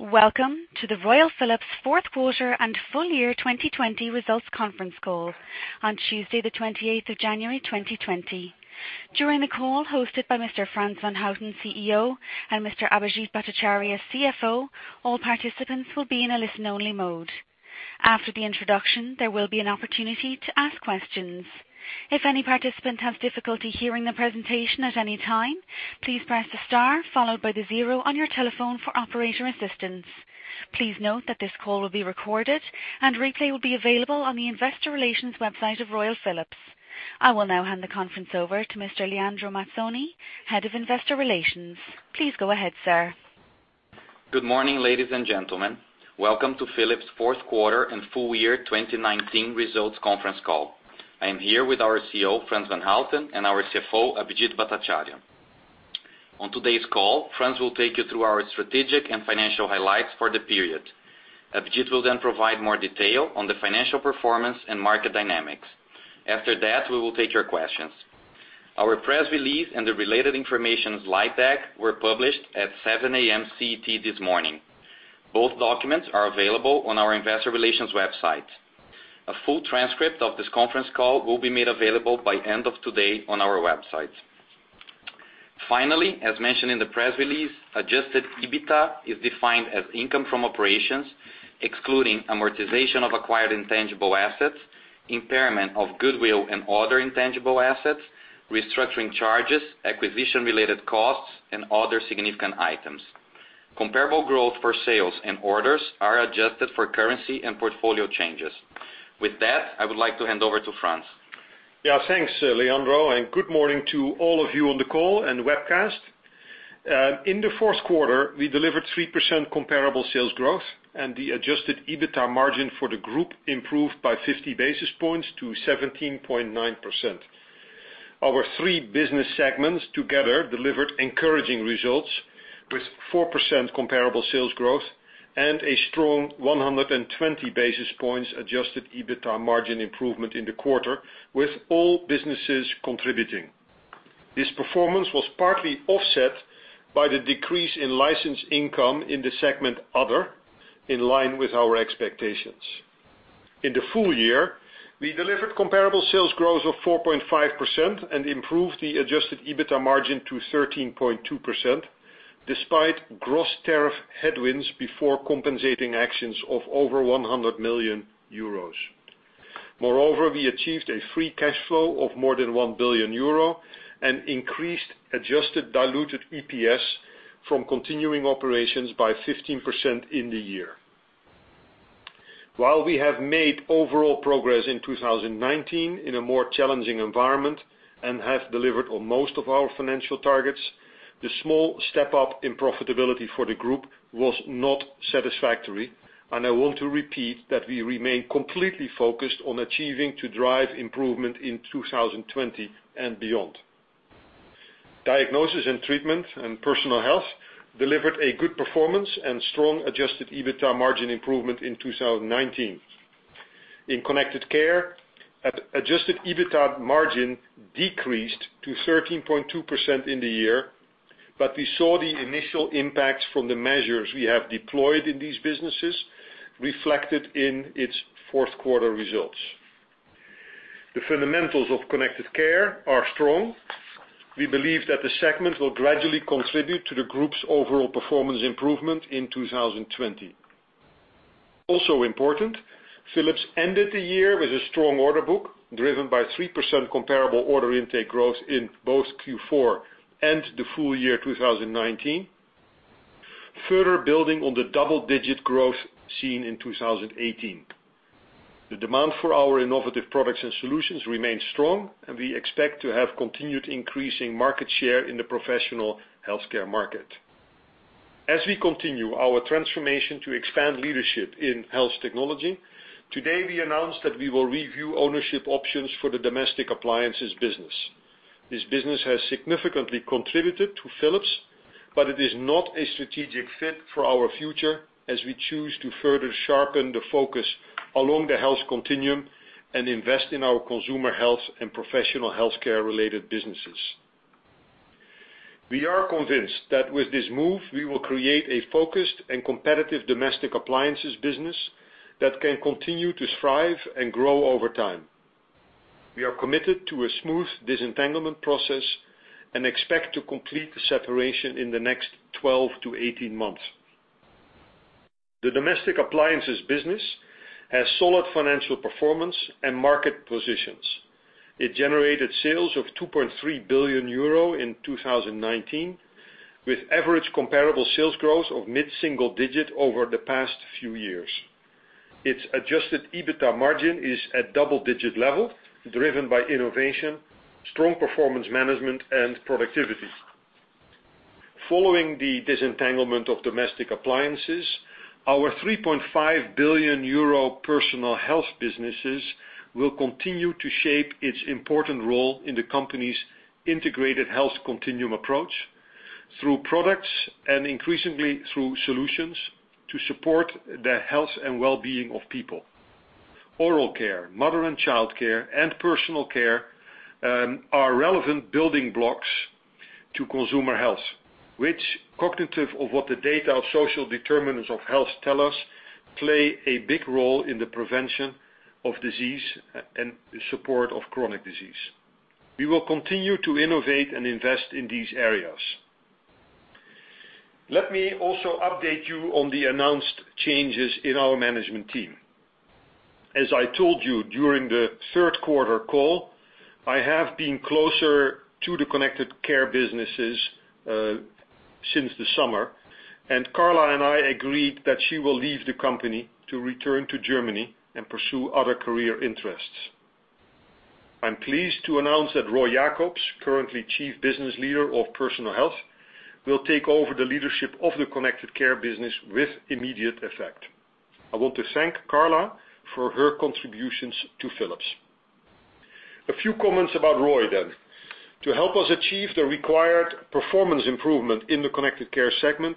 Welcome to the Royal Philips fourth quarter and full year 2020 results conference call on Tuesday the 28th of January 2020. During the call hosted by Mr. Frans van Houten, CEO, and Mr. Abhijit Bhattacharya, CFO, all participants will be in a listen-only mode. After the introduction, there will be an opportunity to ask questions. If any participant has difficulty hearing the presentation at any time, please press the star followed by the zero on your telephone for operator assistance. Please note that this call will be recorded and replay will be available on the investor relations website of Royal Philips. I will now hand the conference over to Mr. Leandro Mazzoni, Head of Investor Relations. Please go ahead, sir. Good morning, ladies and gentlemen. Welcome to Philips fourth quarter and full year 2019 results conference call. I am here with our CEO, Frans van Houten, and our CFO, Abhijit Bhattacharya. On today's call, Frans will take you through our strategic and financial highlights for the period. Abhijit will provide more detail on the financial performance and market dynamics. After that, we will take your questions. Our press release and the related information slide deck were published at 7:00 A.M. CET this morning. Both documents are available on our investor relations website. A full transcript of this conference call will be made available by end of today on our website. As mentioned in the press release, adjusted EBITDA is defined as income from operations, excluding amortization of acquired intangible assets, impairment of goodwill and other intangible assets, restructuring charges, acquisition related costs, and other significant items. Comparable growth for sales and orders are adjusted for currency and portfolio changes. With that, I would like to hand over to Frans. Yeah, thanks, Leandro, and good morning to all of you on the call and webcast. In the fourth quarter, we delivered 3% comparable sales growth, and the adjusted EBITDA margin for the group improved by 50 basis points to 17.9%. Our three business segments together delivered encouraging results with 4% comparable sales growth and a strong 120 basis points adjusted EBITDA margin improvement in the quarter with all businesses contributing. This performance was partly offset by the decrease in license income in the segment other, in line with our expectations. In the full year, we delivered comparable sales growth of 4.5% and improved the adjusted EBITDA margin to 13.2%, despite gross tariff headwinds before compensating actions of over 100 million euros. Moreover, we achieved a free cash flow of more than 1 billion euro and increased adjusted diluted EPS from continuing operations by 15% in the year. While we have made overall progress in 2019 in a more challenging environment and have delivered on most of our financial targets, the small step up in profitability for the group was not satisfactory, and I want to repeat that we remain completely focused on achieving to drive improvement in 2020 and beyond. Diagnosis & Treatment and Personal Health delivered a good performance and strong adjusted EBITDA margin improvement in 2019. In Connected Care, adjusted EBITDA margin decreased to 13.2% in the year, but we saw the initial impacts from the measures we have deployed in these businesses reflected in its fourth quarter results. The fundamentals of Connected Care are strong. We believe that the segment will gradually contribute to the group's overall performance improvement in 2020. Important, Philips ended the year with a strong order book driven by 3% comparable order intake growth in both Q4 and the full year 2019, further building on the double-digit growth seen in 2018. The demand for our innovative products and solutions remains strong, we expect to have continued increasing market share in the professional healthcare market. As we continue our transformation to expand leadership in health technology, today we announced that we will review ownership options for the Domestic Appliances business. This business has significantly contributed to Philips, but it is not a strategic fit for our future as we choose to further sharpen the focus along the health continuum and invest in our consumer health and professional healthcare related businesses. We are convinced that with this move, we will create a focused and competitive Domestic Appliances business that can continue to thrive and grow over time. We are committed to a smooth disentanglement process and expect to complete the separation in the next 12-18 months. The domestic appliances business has solid financial performance and market positions. It generated sales of 2.3 billion euro in 2019, with average comparable sales growth of mid-single digit over the past few years. Its adjusted EBITDA margin is at double-digit level, driven by innovation, strong performance management, and productivity. Following the disentanglement of domestic appliances, our 3.5 billion euro Personal Health businesses will continue to shape its important role in the company's integrated health continuum approach through products and increasingly through solutions to support the health and well-being of people. Oral care, mother and child care, and personal care are relevant building blocks to consumer health, which cognitive of what the data of social determinants of health tell us, play a big role in the prevention of disease and support of chronic disease. We will continue to innovate and invest in these areas. Let me also update you on the announced changes in our management team. As I told you during the third quarter call, I have been closer to the Connected Care businesses since the summer, and Carla and I agreed that she will leave the company to return to Germany and pursue other career interests. I'm pleased to announce that Roy Jakobs, currently Chief Business Leader of Personal Health, will take over the leadership of the Connected Care business with immediate effect. I want to thank Carla for her contributions to Philips. A few comments about Roy then. To help us achieve the required performance improvement in the Connected Care segment,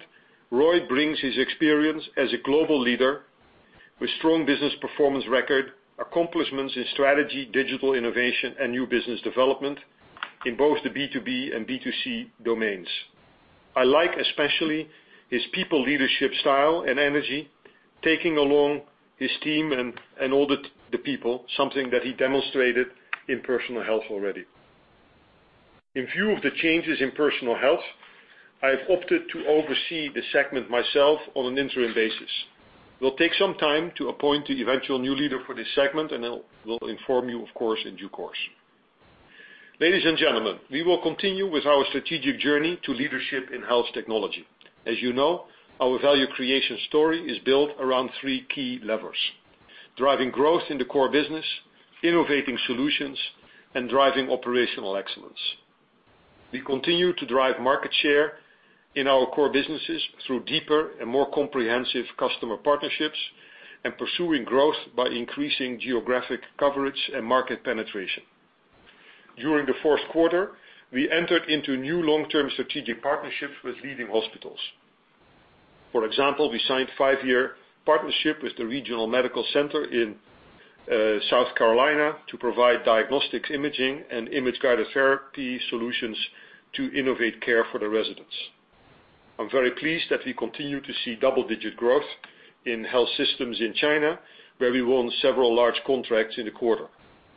Roy brings his experience as a global leader with strong business performance record, accomplishments in strategy, digital innovation, and new business development in both the B2B and B2C domains. I like especially his people leadership style and energy, taking along his team and all the people, something that he demonstrated in Personal Health already. In view of the changes in Personal Health, I've opted to oversee the segment myself on an interim basis. We'll take some time to appoint the eventual new leader for this segment, and I will inform you, of course, in due course. Ladies and gentlemen, we will continue with our strategic journey to leadership in health technology. As you know, our value creation story is built around three key levers: driving growth in the core business, innovating solutions, and driving operational excellence. We continue to drive market share in our core businesses through deeper and more comprehensive customer partnerships and pursuing growth by increasing geographic coverage and market penetration. During the fourth quarter, we entered into new long-term strategic partnerships with leading hospitals. For example, we signed a five-year partnership with the Regional Medical Center in South Carolina to provide diagnostic imaging and image-guided therapy solutions to innovate care for the residents. I'm very pleased that we continue to see double-digit growth in health systems in China, where we won several large contracts in the quarter.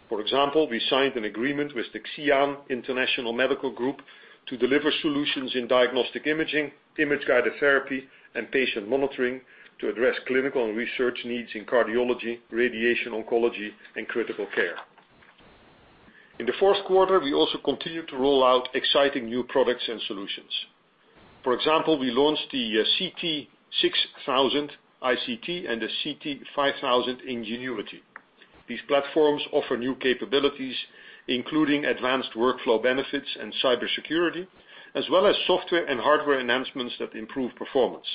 For example, we signed an agreement with the Xi'an International Medical Group to deliver solutions in diagnostic imaging, image-guided therapy, and patient monitoring to address clinical and research needs in cardiology, radiation oncology, and critical care. In the fourth quarter, we also continued to roll out exciting new products and solutions. For example, we launched the CT 6000 iCT and the CT 5000 Ingenuity. These platforms offer new capabilities, including advanced workflow benefits and cybersecurity, as well as software and hardware enhancements that improve performance.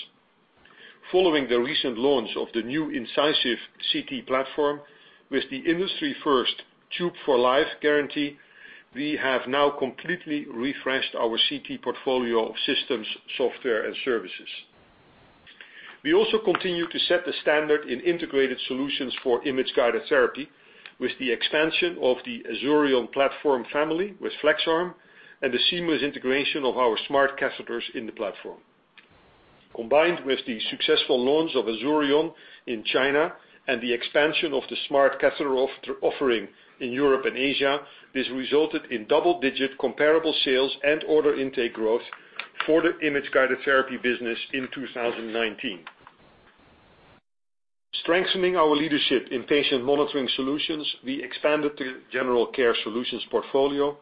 Following the recent launch of the new Incisive CT platform with the industry first Tube for Life guarantee, we have now completely refreshed our CT portfolio of systems, software, and services. We also continue to set the standard in integrated solutions for image-guided therapy with the expansion of the Azurion platform family with FlexArm and the seamless integration of our smart catheters in the platform. Combined with the successful launch of Azurion in China and the expansion of the smart catheter offering in Europe and Asia, this resulted in double-digit comparable sales and order intake growth for the image-guided therapy business in 2019. Strengthening our leadership in patient monitoring solutions, we expanded the general care solutions portfolio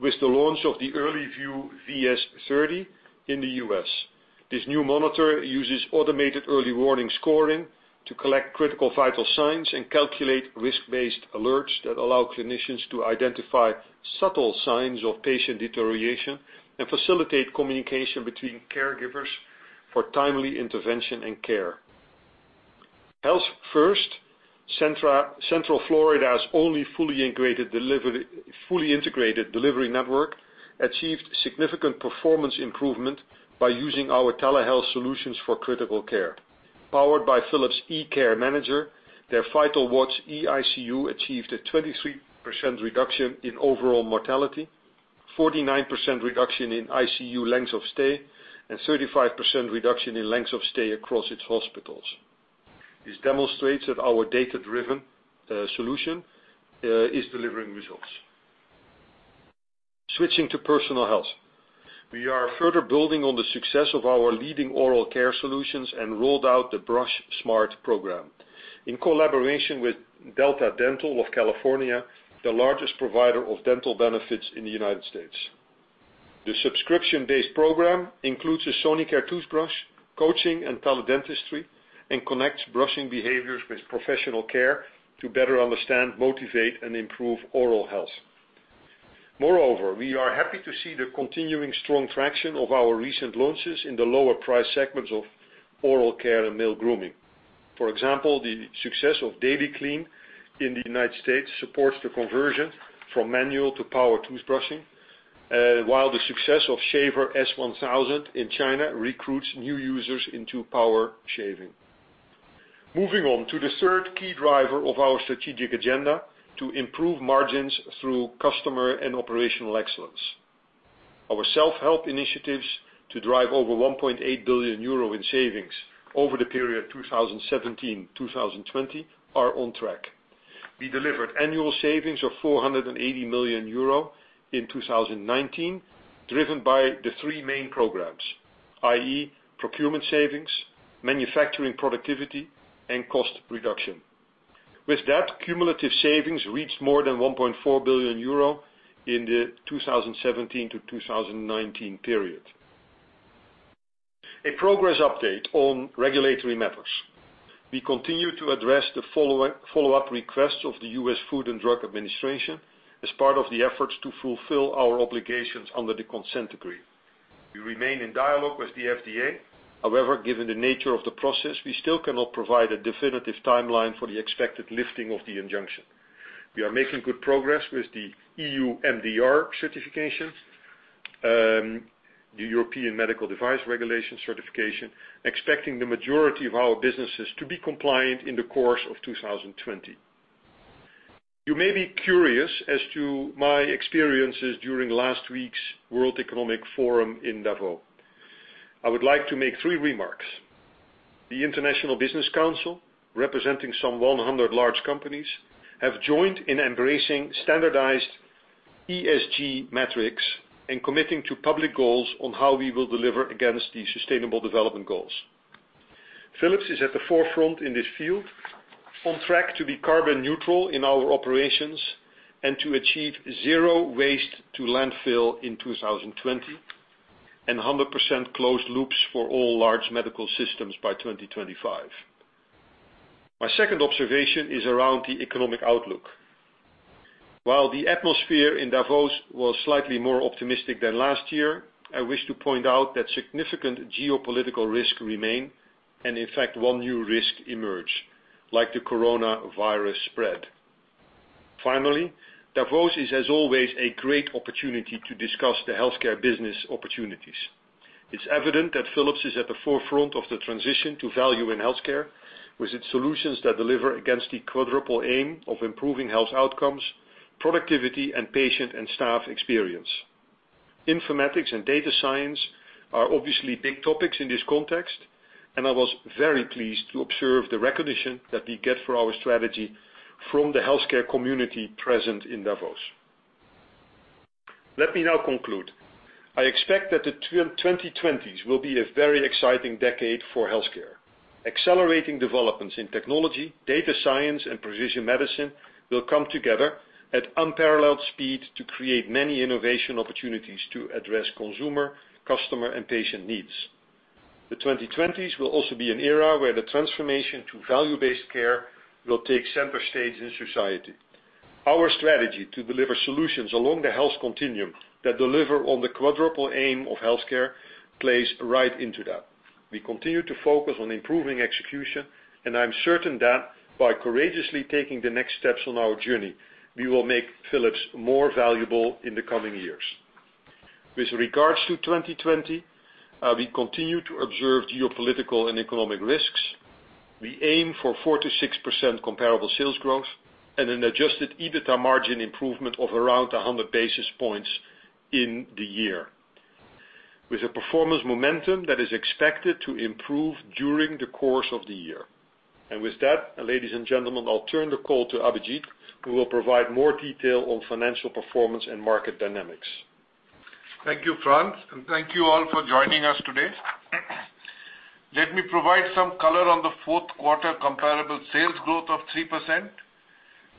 with the launch of the EarlyVue VS30 in the U.S. This new monitor uses automated early warning scoring to collect critical vital signs and calculate risk-based alerts that allow clinicians to identify subtle signs of patient deterioration and facilitate communication between caregivers for timely intervention and care. Health First, Central Florida's only fully integrated delivery network, achieved significant performance improvement by using our telehealth solutions for critical care. Powered by Philips eCareManager, their VitalWatch eICU achieved a 23% reduction in overall mortality, 49% reduction in ICU length of stay, and 35% reduction in length of stay across its hospitals. This demonstrates that our data-driven solution is delivering results. Switching to Personal Health. We are further building on the success of our leading oral care solutions and rolled out the BrushSmart program. In collaboration with Delta Dental of California, the largest provider of dental benefits in the U.S. The subscription-based program includes a Sonicare toothbrush, coaching, and teledentistry, and connects brushing behaviors with professional care to better understand, motivate, and improve oral health. Moreover, we are happy to see the continuing strong traction of our recent launches in the lower price segments of oral care and male grooming. For example, the success of DailyClean in the U.S. supports the conversion from manual to power toothbrushing while the success of Shaver S1000 in China recruits new users into power shaving. Moving on to the third key driver of our strategic agenda to improve margins through customer and operational excellence. Our self-help initiatives to drive over 1.8 billion euro in savings over the period 2017-2020 are on track. We delivered annual savings of 480 million euro in 2019, driven by the three main programs, i.e. procurement savings, manufacturing productivity, and cost reduction. With that, cumulative savings reached more than 1.4 billion euro in the 2017-2019 period. A progress update on regulatory matters. We continue to address the follow-up requests of the U.S. Food and Drug Administration as part of the efforts to fulfill our obligations under the consent decree. We remain in dialogue with the FDA. Given the nature of the process, we still cannot provide a definitive timeline for the expected lifting of the injunction. We are making good progress with the EU MDR certification, the European Medical Device Regulation certification, expecting the majority of our businesses to be compliant in the course of 2020. You may be curious as to my experiences during last week's World Economic Forum in Davos. I would like to make three remarks. The International Business Council, representing some 100 large companies, have joined in embracing standardized ESG metrics and committing to public goals on how we will deliver against the sustainable development goals. Philips is at the forefront in this field, on track to be carbon neutral in our operations and to achieve zero waste to landfill in 2020, and 100% closed loops for all large medical systems by 2025. My second observation is around the economic outlook. While the atmosphere in Davos was slightly more optimistic than last year, I wish to point out that significant geopolitical risks remain, and in fact, one new risk emerged, like the coronavirus spread. Finally, Davos is as always a great opportunity to discuss the healthcare business opportunities. It's evident that Philips is at the forefront of the transition to value in healthcare, with its solutions that deliver against the quadruple aim of improving health outcomes, productivity, and patient and staff experience. Informatics and data science are obviously big topics in this context, and I was very pleased to observe the recognition that we get for our strategy from the healthcare community present in Davos. Let me now conclude. I expect that the 2020s will be a very exciting decade for healthcare. Accelerating developments in technology, data science, and precision medicine will come together at unparalleled speed to create many innovation opportunities to address consumer, customer, and patient needs. The 2020s will also be an era where the transformation to value-based care will take center stage in society. Our strategy to deliver solutions along the health continuum that deliver on the quadruple aim of healthcare plays right into that. We continue to focus on improving execution, and I'm certain that by courageously taking the next steps on our journey, we will make Philips more valuable in the coming years. With regards to 2020, we continue to observe geopolitical and economic risks. We aim for 4%-6% comparable sales growth and an adjusted EBITDA margin improvement of around 100 basis points in the year, with a performance momentum that is expected to improve during the course of the year. With that, ladies and gentlemen, I'll turn the call to Abhijit, who will provide more detail on financial performance and market dynamics. Thank you, Frans, and thank you all for joining us today. Let me provide some color on the fourth quarter comparable sales growth of 3%.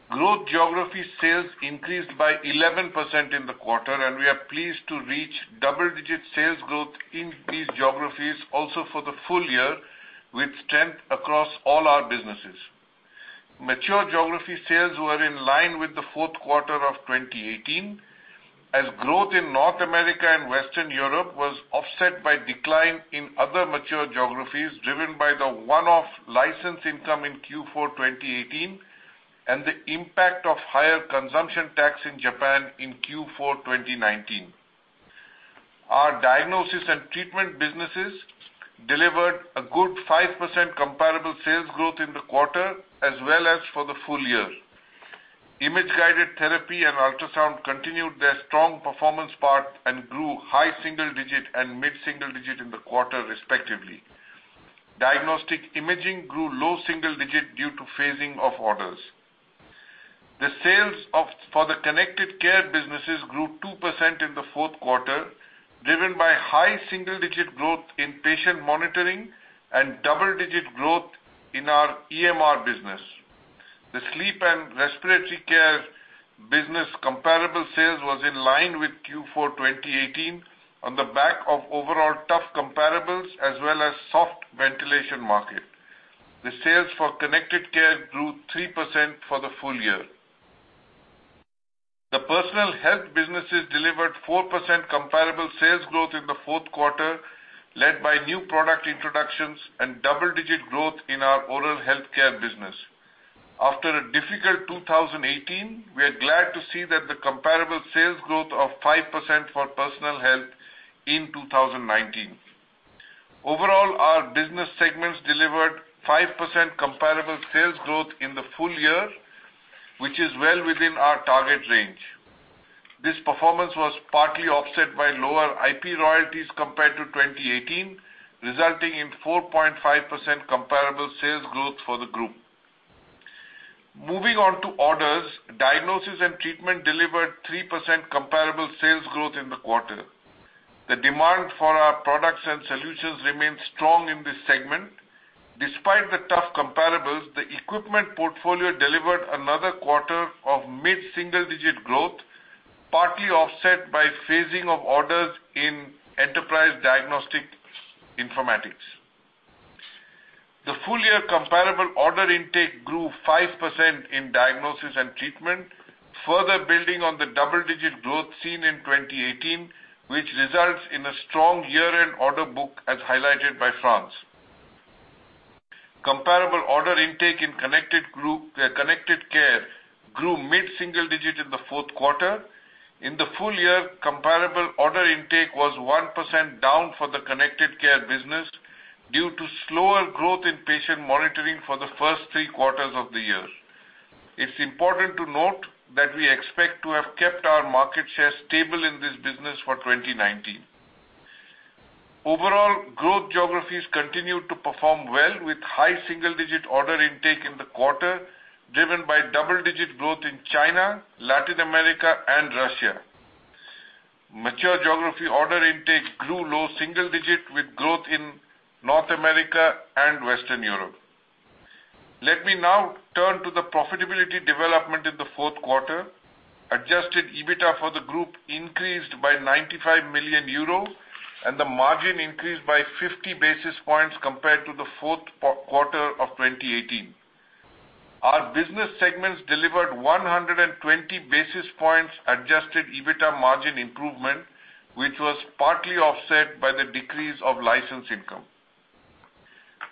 Growth geography sales increased by 11% in the quarter, and we are pleased to reach double-digit sales growth in these geographies also for the full year, with strength across all our businesses. Mature geography sales were in line with the fourth quarter of 2018, as growth in North America and Western Europe was offset by decline in other mature geographies, driven by the one-off license income in Q4 2018, and the impact of higher consumption tax in Japan in Q4 2019. Our Diagnosis & Treatment businesses delivered a good 5% comparable sales growth in the quarter, as well as for the full year. Image-guided therapy and ultrasound continued their strong performance part and grew high single digit and mid-single digit in the quarter, respectively. Diagnostic imaging grew low single-digit due to phasing of orders. The sales for the Connected Care businesses grew 2% in the fourth quarter, driven by high single-digit growth in patient monitoring and double-digit growth in our EMR business. The sleep and respiratory care business comparable sales was in line with Q4 2018 on the back of overall tough comparables as well as soft ventilation market. The sales for Connected Care grew 3% for the full year. The Personal Health businesses delivered 4% comparable sales growth in the fourth quarter, led by new product introductions and double-digit growth in our oral health care business. After a difficult 2018, we are glad to see that the comparable sales growth of 5% for Personal Health in 2019. Overall, our business segments delivered 5% comparable sales growth in the full year, which is well within our target range. This performance was partly offset by lower IP royalties compared to 2018, resulting in 4.5% comparable sales growth for the group. Moving on to orders, Diagnosis & Treatment delivered 3% comparable sales growth in the quarter. The demand for our products and solutions remained strong in this segment. Despite the tough comparables, the equipment portfolio delivered another quarter of mid-single digit growth, partly offset by phasing of orders in enterprise diagnostic informatics. The full-year comparable order intake grew 5% in Diagnosis & Treatment, further building on the double-digit growth seen in 2018, which results in a strong year-end order book, as highlighted by Frans. Comparable order intake in Connected Care grew mid-single digit in the fourth quarter. In the full year, comparable order intake was 1% down for the Connected Care business due to slower growth in patient monitoring for the first three quarters of the year. It's important to note that we expect to have kept our market share stable in this business for 2019. Overall, growth geographies continued to perform well, with high single-digit order intake in the quarter, driven by double-digit growth in China, Latin America, and Russia. Mature geography order intake grew low single-digit with growth in North America and Western Europe. Let me now turn to the profitability development in the fourth quarter. Adjusted EBITDA for the group increased by 95 million euro, and the margin increased by 50 basis points compared to the fourth quarter of 2018. Our business segments delivered 120 basis points adjusted EBITDA margin improvement, which was partly offset by the decrease of license income.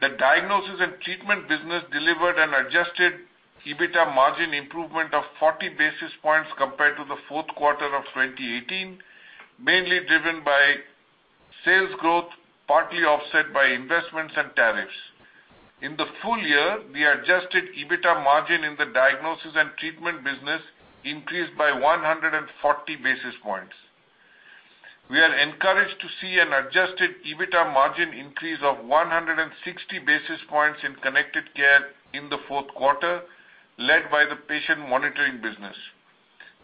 The Diagnosis & Treatment business delivered an adjusted EBITDA margin improvement of 40 basis points compared to the fourth quarter of 2018, mainly driven by sales growth, partly offset by investments and tariffs. In the full year, the adjusted EBITDA margin in the Diagnosis & Treatment business increased by 140 basis points. We are encouraged to see an adjusted EBITDA margin increase of 160 basis points in Connected Care in the fourth quarter, led by the patient monitoring business.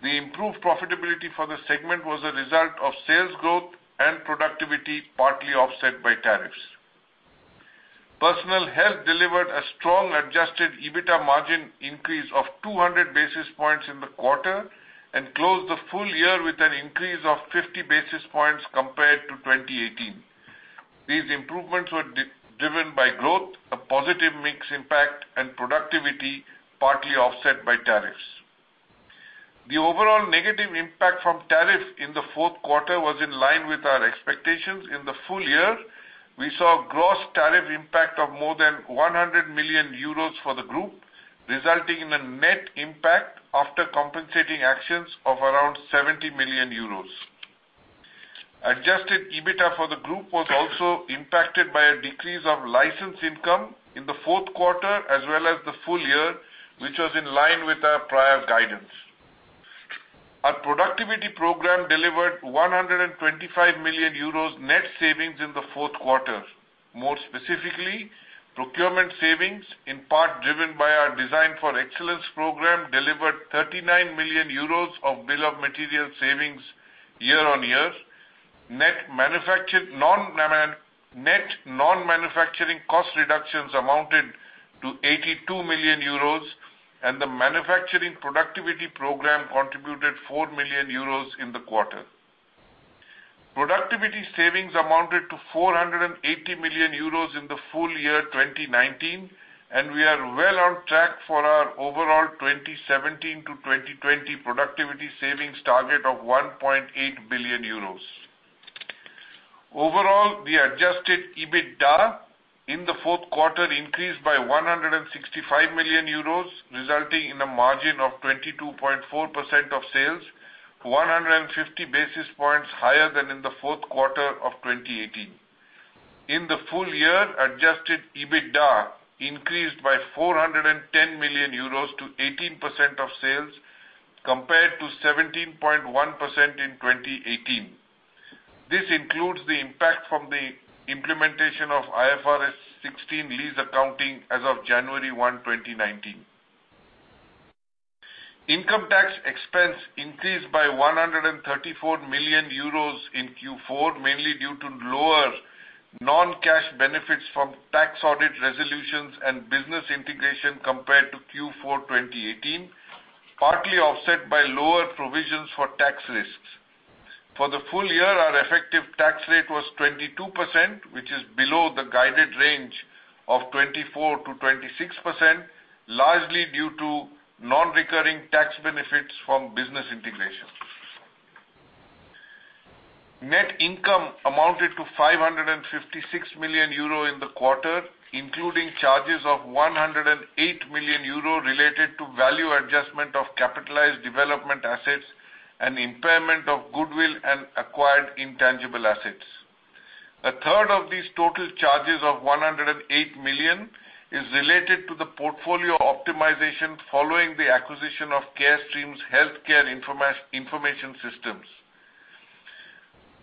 The improved profitability for the segment was a result of sales growth and productivity, partly offset by tariffs. Personal Health delivered a strong adjusted EBITDA margin increase of 200 basis points in the quarter, and closed the full year with an increase of 50 basis points compared to 2018. These improvements were driven by growth, a positive mix impact, and productivity, partly offset by tariffs. The overall negative impact from tariff in the fourth quarter was in line with our expectations. In the full year, we saw gross tariff impact of more than 100 million euros for the group, resulting in a net impact after compensating actions of around 70 million euros. Adjusted EBITDA for the group was also impacted by a decrease of license income in the fourth quarter as well as the full year, which was in line with our prior guidance. Our productivity program delivered 125 million euros net savings in the fourth quarter. More specifically, procurement savings, in part driven by our Design for Excellence program, delivered 39 million euros of bill of material savings year-on-year. Net non-manufacturing cost reductions amounted to 82 million euros, and the manufacturing productivity program contributed 4 million euros in the quarter. Productivity savings amounted to 480 million euros in the full year 2019, and we are well on track for our overall 2017-2020 productivity savings target of 1.8 billion euros. Overall, the adjusted EBITDA in the fourth quarter increased by 165 million euros, resulting in a margin of 22.4% of sales, 150 basis points higher than in the fourth quarter of 2018. In the full year, adjusted EBITDA increased by 410 million euros to 18% of sales, compared to 17.1% in 2018. This includes the impact from the implementation of IFRS 16 lease accounting as of January 1, 2019. Income tax expense increased by 134 million euros in Q4, mainly due to lower non-cash benefits from tax audit resolutions and business integration compared to Q4 2018, partly offset by lower provisions for tax risks. For the full year, our effective tax rate was 22%, which is below the guided range of 24%-26%, largely due to non-recurring tax benefits from business integration. Net income amounted to 556 million euro in the quarter, including charges of 108 million euro related to value adjustment of capitalized development assets and impairment of goodwill and acquired intangible assets. A third of these total charges of 108 million is related to the portfolio optimization following the acquisition of Carestream's Healthcare Information Systems.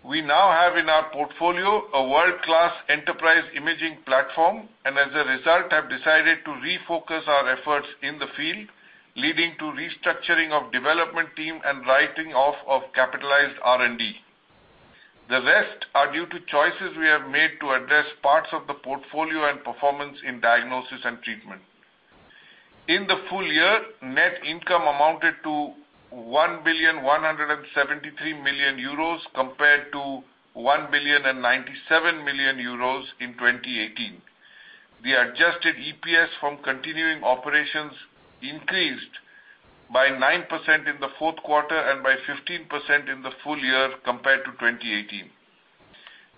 We now have in our portfolio a world-class enterprise imaging platform. As a result, have decided to refocus our efforts in the field, leading to restructuring of development team and writing off of capitalized R&D. The rest are due to choices we have made to address parts of the portfolio and performance in Diagnosis & Treatment. In the full year, net income amounted to 1,173,000,000 euros compared to 1,097,000,000 euros in 2018. The adjusted EPS from continuing operations increased by 9% in the fourth quarter and by 15% in the full year compared to 2018.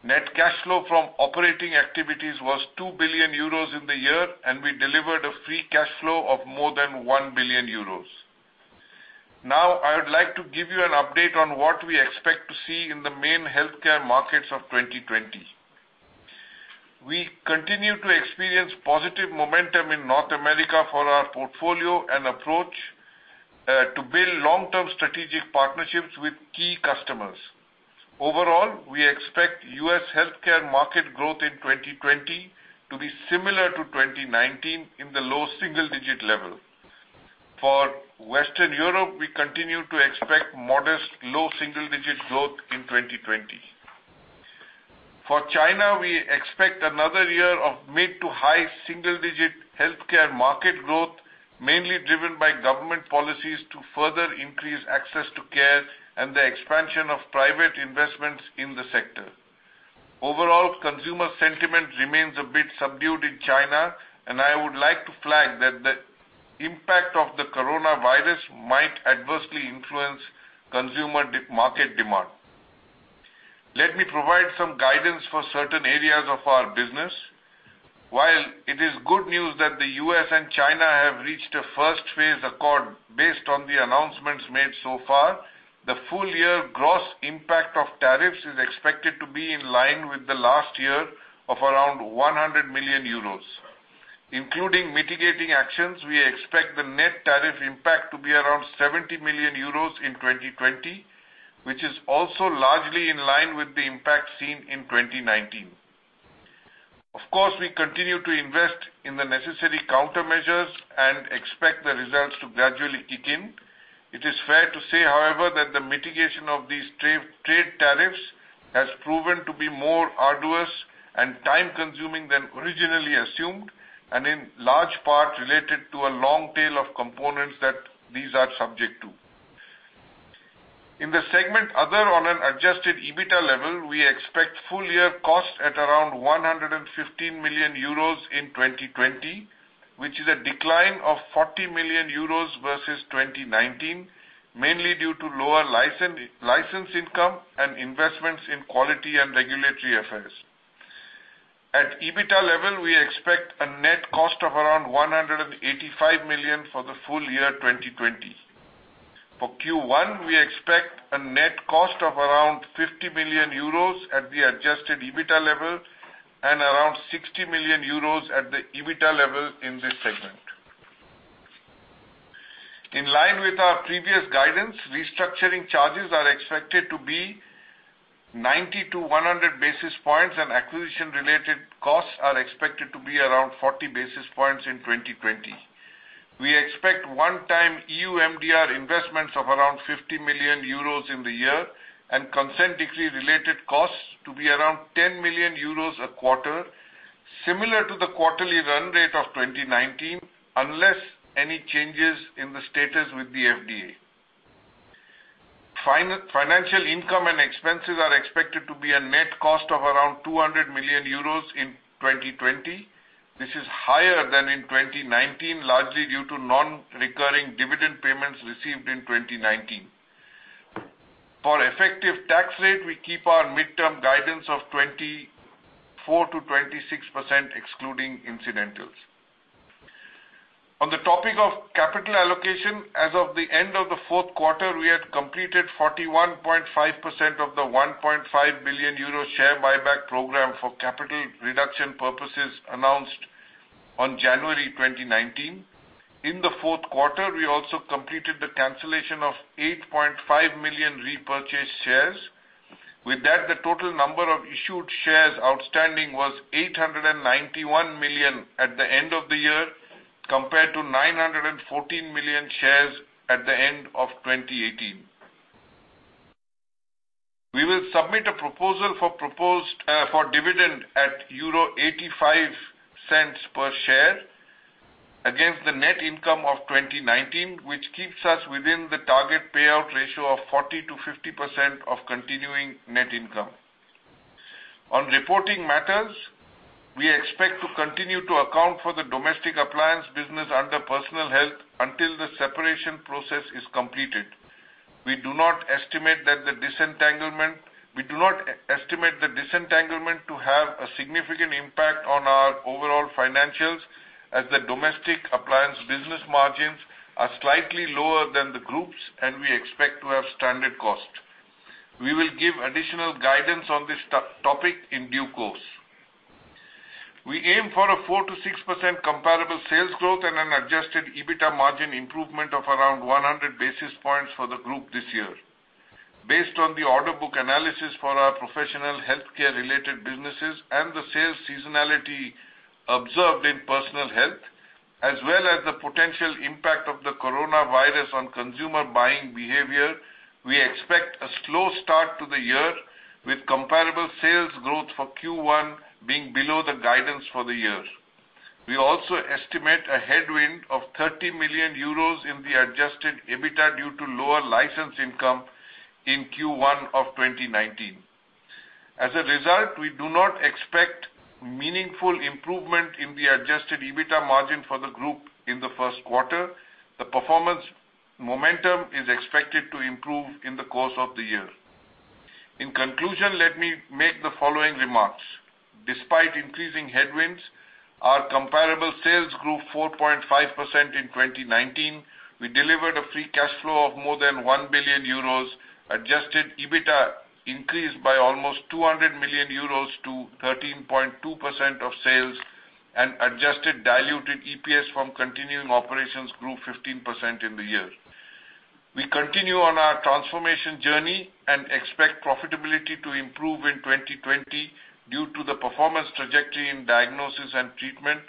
Net cash flow from operating activities was 2 billion euros in the year, and we delivered a free cash flow of more than 1 billion euros. Now, I would like to give you an update on what we expect to see in the main healthcare markets of 2020. We continue to experience positive momentum in North America for our portfolio and approach to build long-term strategic partnerships with key customers. Overall, we expect U.S. healthcare market growth in 2020 to be similar to 2019, in the low single-digit level. For Western Europe, we continue to expect modest low single-digit growth in 2020. For China, we expect another year of mid to high single-digit healthcare market growth, mainly driven by government policies to further increase access to care and the expansion of private investments in the sector. Overall, consumer sentiment remains a bit subdued in China. I would like to flag that the impact of the coronavirus might adversely influence consumer market demand. Let me provide some guidance for certain areas of our business. While it is good news that the U.S. and China have reached a first-phase accord based on the announcements made so far, the full year gross impact of tariffs is expected to be in line with the last year, of around 100 million euros. Including mitigating actions, we expect the net tariff impact to be around 70 million euros in 2020, which is also largely in line with the impact seen in 2019. Of course, we continue to invest in the necessary countermeasures and expect the results to gradually kick in. It is fair to say, however, that the mitigation of these trade tariffs has proven to be more arduous and time-consuming than originally assumed, and in large part related to a long tail of components that these are subject to. In the segment other, on an adjusted EBITDA level, we expect full-year costs at around 115 million euros in 2020, which is a decline of 40 million euros versus 2019, mainly due to lower license income and investments in quality and regulatory. At EBITDA level, we expect a net cost of around 185 million for the full year 2020. For Q1, we expect a net cost of around 50 million euros at the adjusted EBITDA level and around 60 million euros at the EBITDA level in this segment. In line with our previous guidance, restructuring charges are expected to be 90-100 basis points, and acquisition-related costs are expected to be around 40 basis points in 2020. We expect one-time EU MDR investments of around 50 million euros in the year and consent decree-related costs to be around 10 million euros a quarter, similar to the quarterly run rate of 2019, unless any changes in the status with the FDA. Financial income and expenses are expected to be a net cost of around 200 million euros in 2020. This is higher than in 2019, largely due to non-recurring dividend payments received in 2019. For effective tax rate, we keep our midterm guidance of 24%-26%, excluding incidentals. On the topic of capital allocation, as of the end of the fourth quarter, we had completed 41.5% of the 1.5 billion euro share buyback program for capital reduction purposes announced on January 2019. In the fourth quarter, we also completed the cancellation of 8.5 million repurchased shares. With that, the total number of issued shares outstanding was 891 million at the end of the year, compared to 914 million shares at the end of 2018. We will submit a proposal for dividend at 0.85 per share against the net income of 2019, which keeps us within the target payout ratio of 40%-50% of continuing net income. On reporting matters, we expect to continue to account for the domestic appliances business under Personal Health until the separation process is completed. We do not estimate the disentanglement to have a significant impact on our overall financials as the domestic appliances business margins are slightly lower than the group's, and we expect to have standard cost. We will give additional guidance on this topic in due course. We aim for a 4%-6% comparable sales growth and an adjusted EBITDA margin improvement of around 100 basis points for the group this year. Based on the order book analysis for our professional healthcare related businesses and the sales seasonality observed in Personal Health, as well as the potential impact of the coronavirus on consumer buying behavior, we expect a slow start to the year with comparable sales growth for Q1 being below the guidance for the year. We also estimate a headwind of 30 million euros in the adjusted EBITDA due to lower license income in Q1 of 2019. As a result, we do not expect meaningful improvement in the adjusted EBITDA margin for the group in the first quarter. The performance momentum is expected to improve in the course of the year. In conclusion, let me make the following remarks. Despite increasing headwinds, our comparable sales grew 4.5% in 2019. We delivered a free cash flow of more than 1 billion euros, adjusted EBITDA increased by almost 200 million euros to 13.2% of sales, and adjusted diluted EPS from continuing operations grew 15% in the year. We continue on our transformation journey and expect profitability to improve in 2020 due to the performance trajectory in Diagnosis & Treatment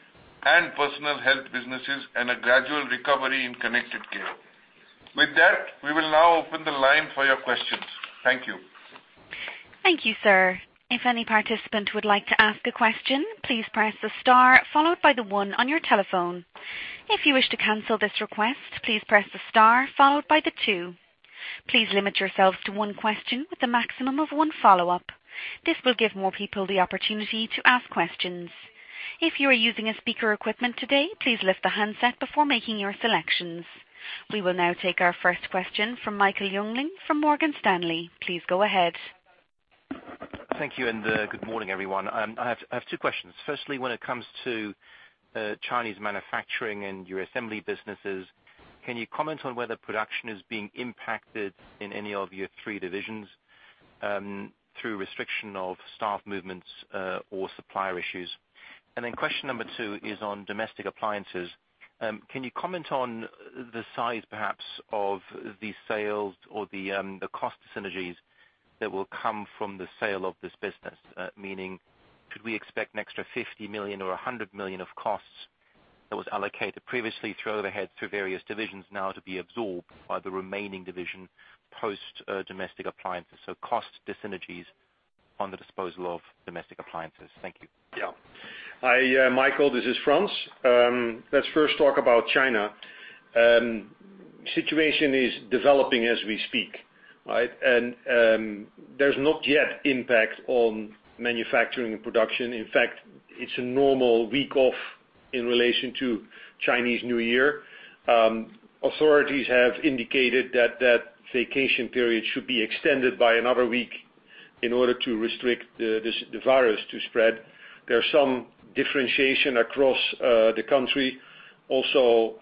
and Personal Health businesses, and a gradual recovery in Connected Care. With that, we will now open the line for your questions. Thank you. Thank you, sir. If any participant would like to ask a question, please press the star followed by the one on your telephone. If you wish to cancel this request, please press the star followed by the two. Please limit yourselves to one question with a maximum of one follow-up. This will give more people the opportunity to ask questions. If you are using speaker equipment today, please lift the handset before making your selections. We will now take our first question from Michael Jüngling from Morgan Stanley. Please go ahead. Thank you, and good morning, everyone. I have two questions. Firstly, when it comes to Chinese manufacturing and your assembly businesses, can you comment on whether production is being impacted in any of your three divisions, through restriction of staff movements or supplier issues? Question number two is on Domestic Appliances. Can you comment on the size perhaps of the sales or the cost synergies that will come from the sale of this business? Meaning, should we expect an extra 50 million or 100 million of costs that was allocated previously through overhead through various divisions now to be absorbed by the remaining division post Domestic Appliances? Cost synergies on the disposal of Domestic Appliances. Thank you. Hi, Michael, this is Frans. Let's first talk about China. Situation is developing as we speak, right? There's not yet impact on manufacturing and production. In fact, it's a normal week off in relation to Chinese New Year. Authorities have indicated that that vacation period should be extended by another week in order to restrict the coronavirus to spread. There's some differentiation across the country also,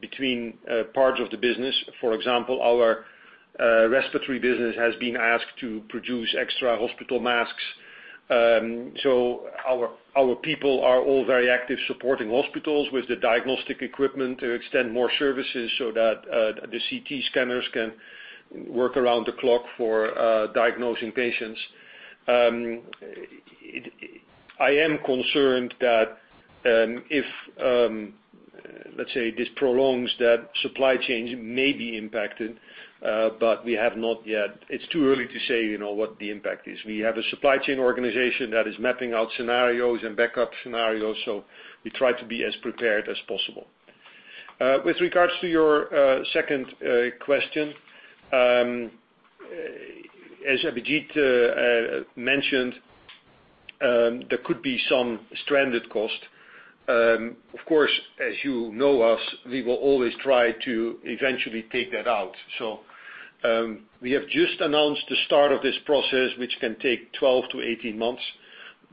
between parts of the business. For example, our respiratory business has been asked to produce extra hospital masks. Our people are all very active supporting hospitals with the diagnostic equipment to extend more services so that the CT scanners can work around the clock for diagnosing patients. I am concerned that if, let's say, this prolongs, that supply chains may be impacted, we have not yet. It's too early to say what the impact is. We have a supply chain organization that is mapping out scenarios and backup scenarios, so we try to be as prepared as possible. With regards to your second question, as Abhijit mentioned, there could be some stranded cost. Of course, as you know us, we will always try to eventually take that out. We have just announced the start of this process, which can take 12-18 months.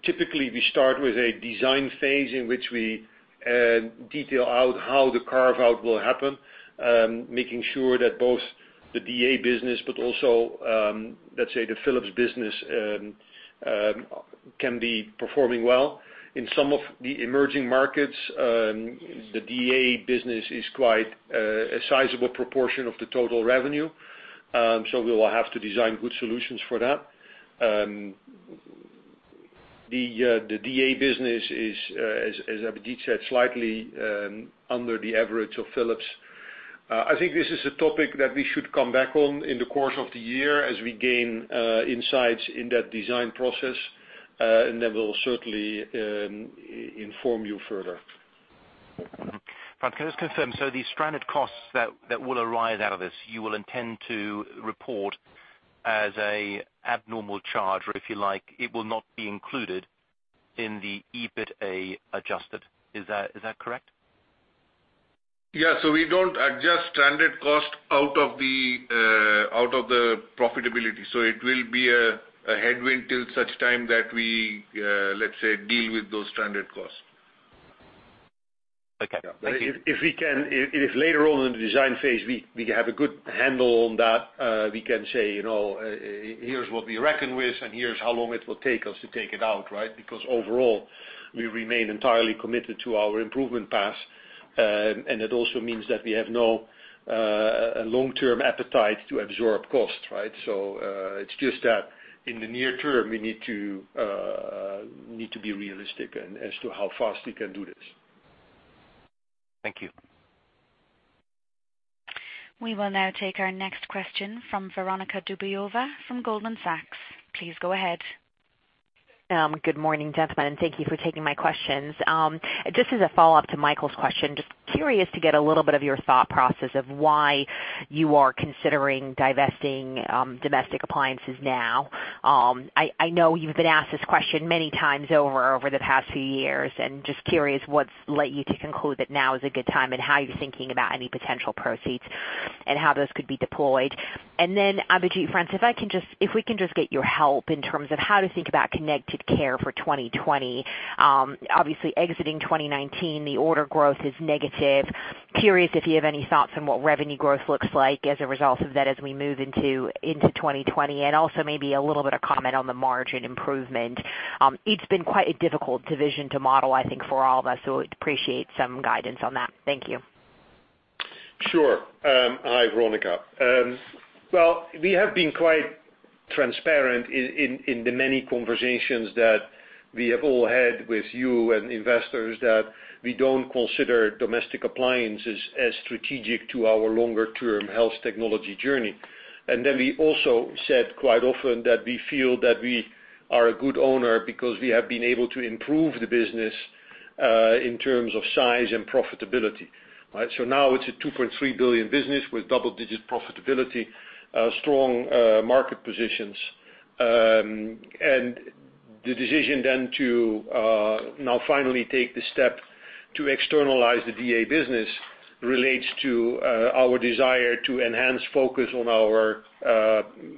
Typically, we start with a design phase in which we detail out how the carve out will happen, making sure that both the DA business, but also, let's say, the Philips business, can be performing well. In some of the emerging markets, the DA business is quite a sizable proportion of the total revenue. So we will have to design good solutions for that. The DA business is, as Abhijit said, slightly under the average of Philips. I think this is a topic that we should come back on in the course of the year as we gain insights in that design process, and then we'll certainly inform you further. Frans, can I just confirm, the stranded costs that will arise out of this, you will intend to report as an abnormal charge, or if you like, it will not be included in the EBITDA adjusted. Is that correct? Yeah. We don't adjust stranded cost out of the profitability. It will be a headwind till such time that we, let's say, deal with those stranded costs. Okay. Thank you. If later on in the design phase, we have a good handle on that, we can say, here's what we reckon with, and here's how long it will take us to take it out, right? Overall, we remain entirely committed to our improvement path. It also means that we have no long-term appetite to absorb cost. It's just that in the near term, we need to be realistic as to how fast we can do this. Thank you. We will now take our next question from Veronika Dubajova from Goldman Sachs. Please go ahead. Good morning, gentlemen. Thank you for taking my questions. Just as a follow-up to Michael's question, just curious to get a little bit of your thought process of why you are considering divesting domestic appliances now. I know you've been asked this question many times over the past few years, and just curious what's led you to conclude that now is a good time and how you're thinking about any potential proceeds and how those could be deployed. Abhijit, Frans, if we can just get your help in terms of how to think about Connected Care for 2020. Obviously exiting 2019, the order growth is negative. Curious if you have any thoughts on what revenue growth looks like as a result of that as we move into 2020, and also maybe a little bit of comment on the margin improvement. It's been quite a difficult division to model, I think, for all of us. We'd appreciate some guidance on that. Thank you. Sure. Hi, Veronika. Well, we have been quite transparent in the many conversations that we have all had with you and investors that we don't consider domestic appliances as strategic to our longer term health technology journey. We also said quite often that we feel that we are a good owner because we have been able to improve the business, in terms of size and profitability. Now it's a 2.3 billion business with double digit profitability, strong market positions. The decision then to now finally take the step to externalize the DA business relates to our desire to enhance focus on our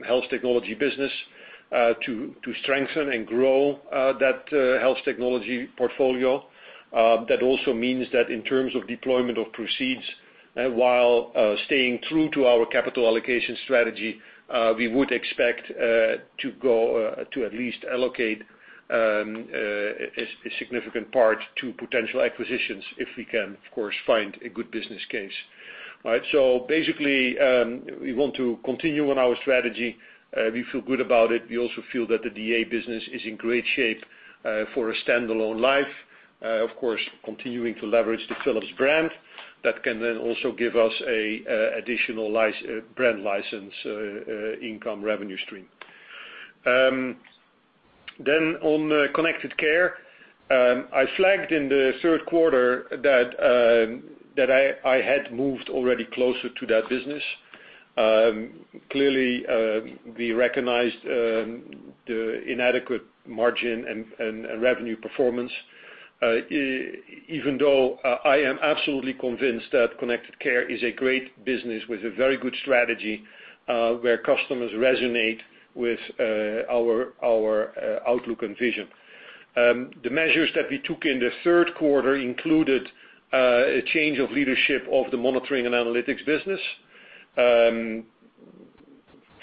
health technology business, to strengthen and grow that health technology portfolio. That also means that in terms of deployment of proceeds, while staying true to our capital allocation strategy, we would expect to at least allocate, a significant part to potential acquisitions if we can, of course, find a good business case. Basically, we want to continue on our strategy. We feel good about it. We also feel that the DA business is in great shape for a standalone life. Of course, continuing to leverage the Philips brand. That can then also give us a additional brand license income revenue stream. On Connected Care, I flagged in the third quarter that I had moved already closer to that business. Clearly, we recognized the inadequate margin and revenue performance. Even though I am absolutely convinced that Connected Care is a great business with a very good strategy, where customers resonate with our outlook and vision. The measures that we took in the third quarter included a change of leadership of the monitoring and analytics business.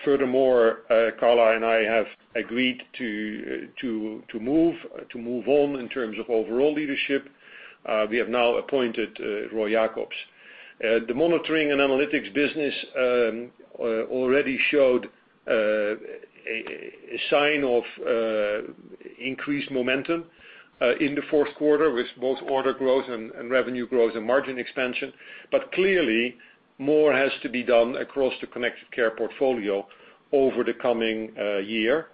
Furthermore, Carla and I have agreed to move on in terms of overall leadership. We have now appointed Roy Jakobs. The monitoring and analytics business already showed a sign of increased momentum in the fourth quarter with both order growth and revenue growth and margin expansion. Clearly, more has to be done across the Connected Care portfolio over the coming year.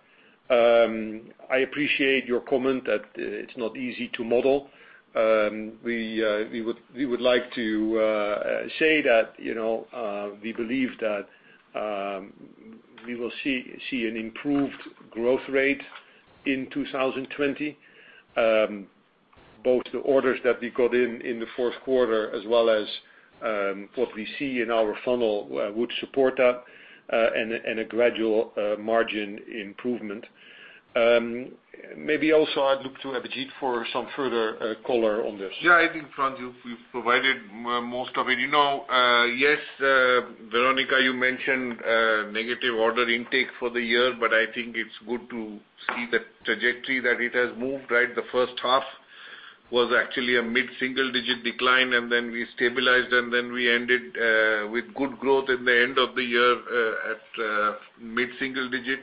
I appreciate your comment that it's not easy to model. We would like to say that we believe that we will see an improved growth rate in 2020. Both the orders that we got in the fourth quarter as well as what we see in our funnel would support that, and a gradual margin improvement. Maybe also I'd look to Abhijit for some further color on this. Yeah, I think, Frans, you've provided most of it. Yes, Veronika, you mentioned negative order intake for the year, but I think it's good to see the trajectory that it has moved. The first half was actually a mid-single digit decline, and then we stabilized, and then we ended with good growth in the end of the year at mid-single digit.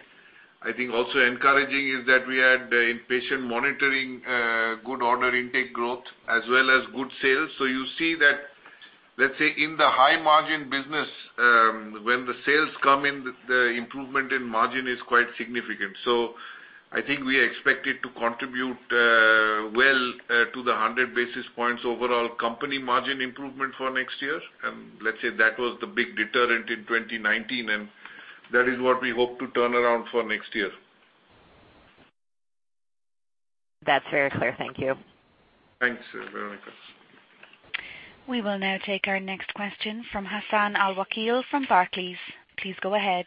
I think also encouraging is that we had in patient monitoring good order intake growth, as well as good sales. You see that let's say, in the high margin business, when the sales come in, the improvement in margin is quite significant. I think we expect it to contribute well to the 100 basis points overall company margin improvement for next year. Let's say that was the big deterrent in 2019, and that is what we hope to turn around for next year. That's very clear. Thank you. Thanks, Veronika. We will now take our next question from Hassan Al-Wakeel from Barclays. Please go ahead.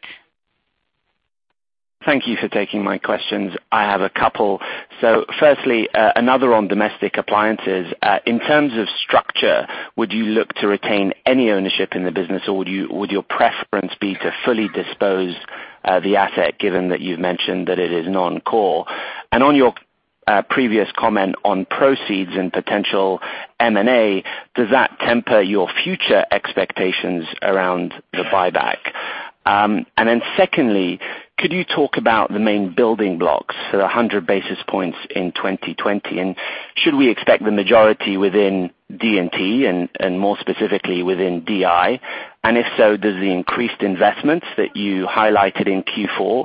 Thank you for taking my questions. I have a couple. Firstly, another on Domestic Appliances. In terms of structure, would you look to retain any ownership in the business, or would your preference be to fully dispose the asset, given that you've mentioned that it is non-core? On your previous comment on proceeds and potential M&A, does that temper your future expectations around the buyback? Secondly, could you talk about the main building blocks for the 100 basis points in 2020, and should we expect the majority within D&T and more specifically within DI? If so, does the increased investments that you highlighted in Q4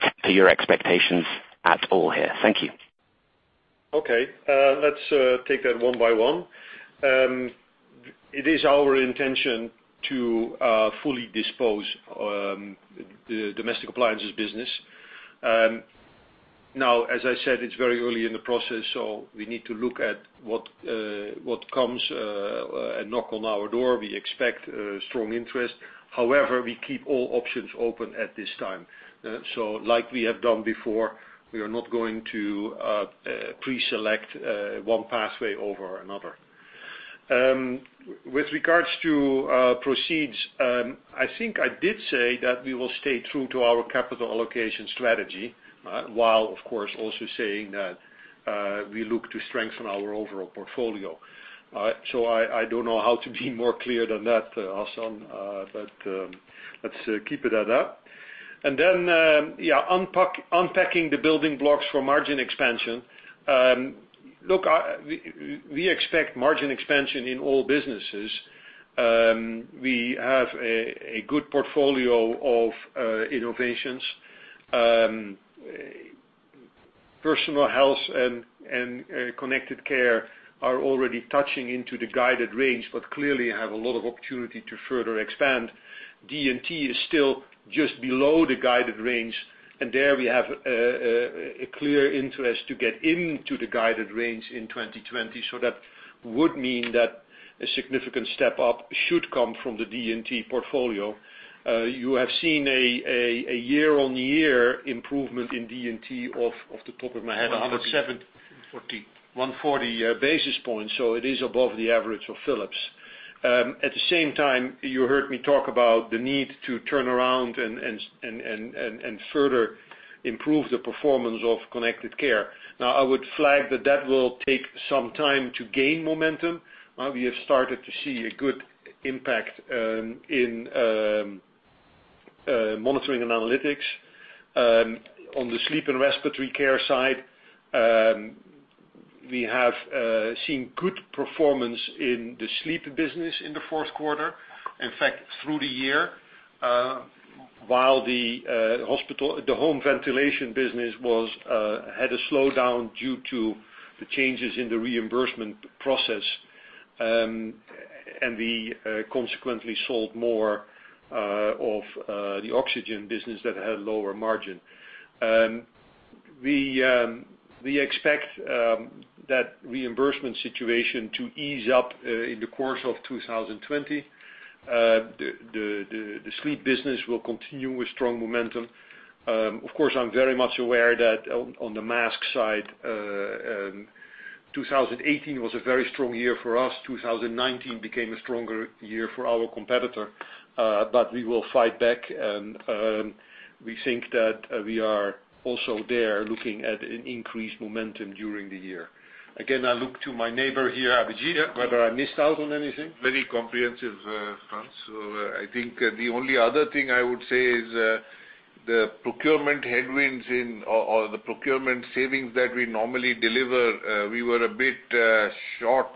temper your expectations at all here? Thank you. Okay. Let's take that one by one. It is our intention to fully dispose the Domestic Appliances business. Now, as I said, it's very early in the process, so we need to look at what comes and knock on our door. We expect strong interest. However, we keep all options open at this time. Like we have done before, we are not going to pre-select one pathway over another. With regards to proceeds, I think I did say that we will stay true to our capital allocation strategy, while of course also saying that we look to strengthen our overall portfolio. I don't know how to be more clear than that, Hassan, but let's keep it at that. Unpacking the building blocks for margin expansion. Look, we expect margin expansion in all businesses. We have a good portfolio of innovations. Personal Health and Connected Care are already touching into the guided range, but clearly have a lot of opportunity to further expand. D&T is still just below the guided range. There we have a clear interest to get into the guided range in 2020. That would mean that a significant step up should come from the D&T portfolio. You have seen a year-on-year improvement in D&T of, off the top of my head, 140 basis points. It is above the average of Philips. At the same time, you heard me talk about the need to turn around and further improve the performance of Connected Care. I would flag that that will take some time to gain momentum. We have started to see a good impact in monitoring and analytics. On the sleep and respiratory care side, we have seen good performance in the sleep business in the fourth quarter. In fact, through the year, while the home ventilation business had a slowdown due to the changes in the reimbursement process, and we consequently sold more of the oxygen business that had lower margin. We expect that reimbursement situation to ease up in the course of 2020. The sleep business will continue with strong momentum. Of course, I'm very much aware that on the mask side, 2018 was a very strong year for us. 2019 became a stronger year for our competitor. We will fight back, and we think that we are also there looking at an increased momentum during the year. Again, I look to my neighbor here, Abhijit. Yeah. Whether I missed out on anything? Very comprehensive, Frans. I think the only other thing I would say is the procurement headwinds or the procurement savings that we normally deliver, we were a bit short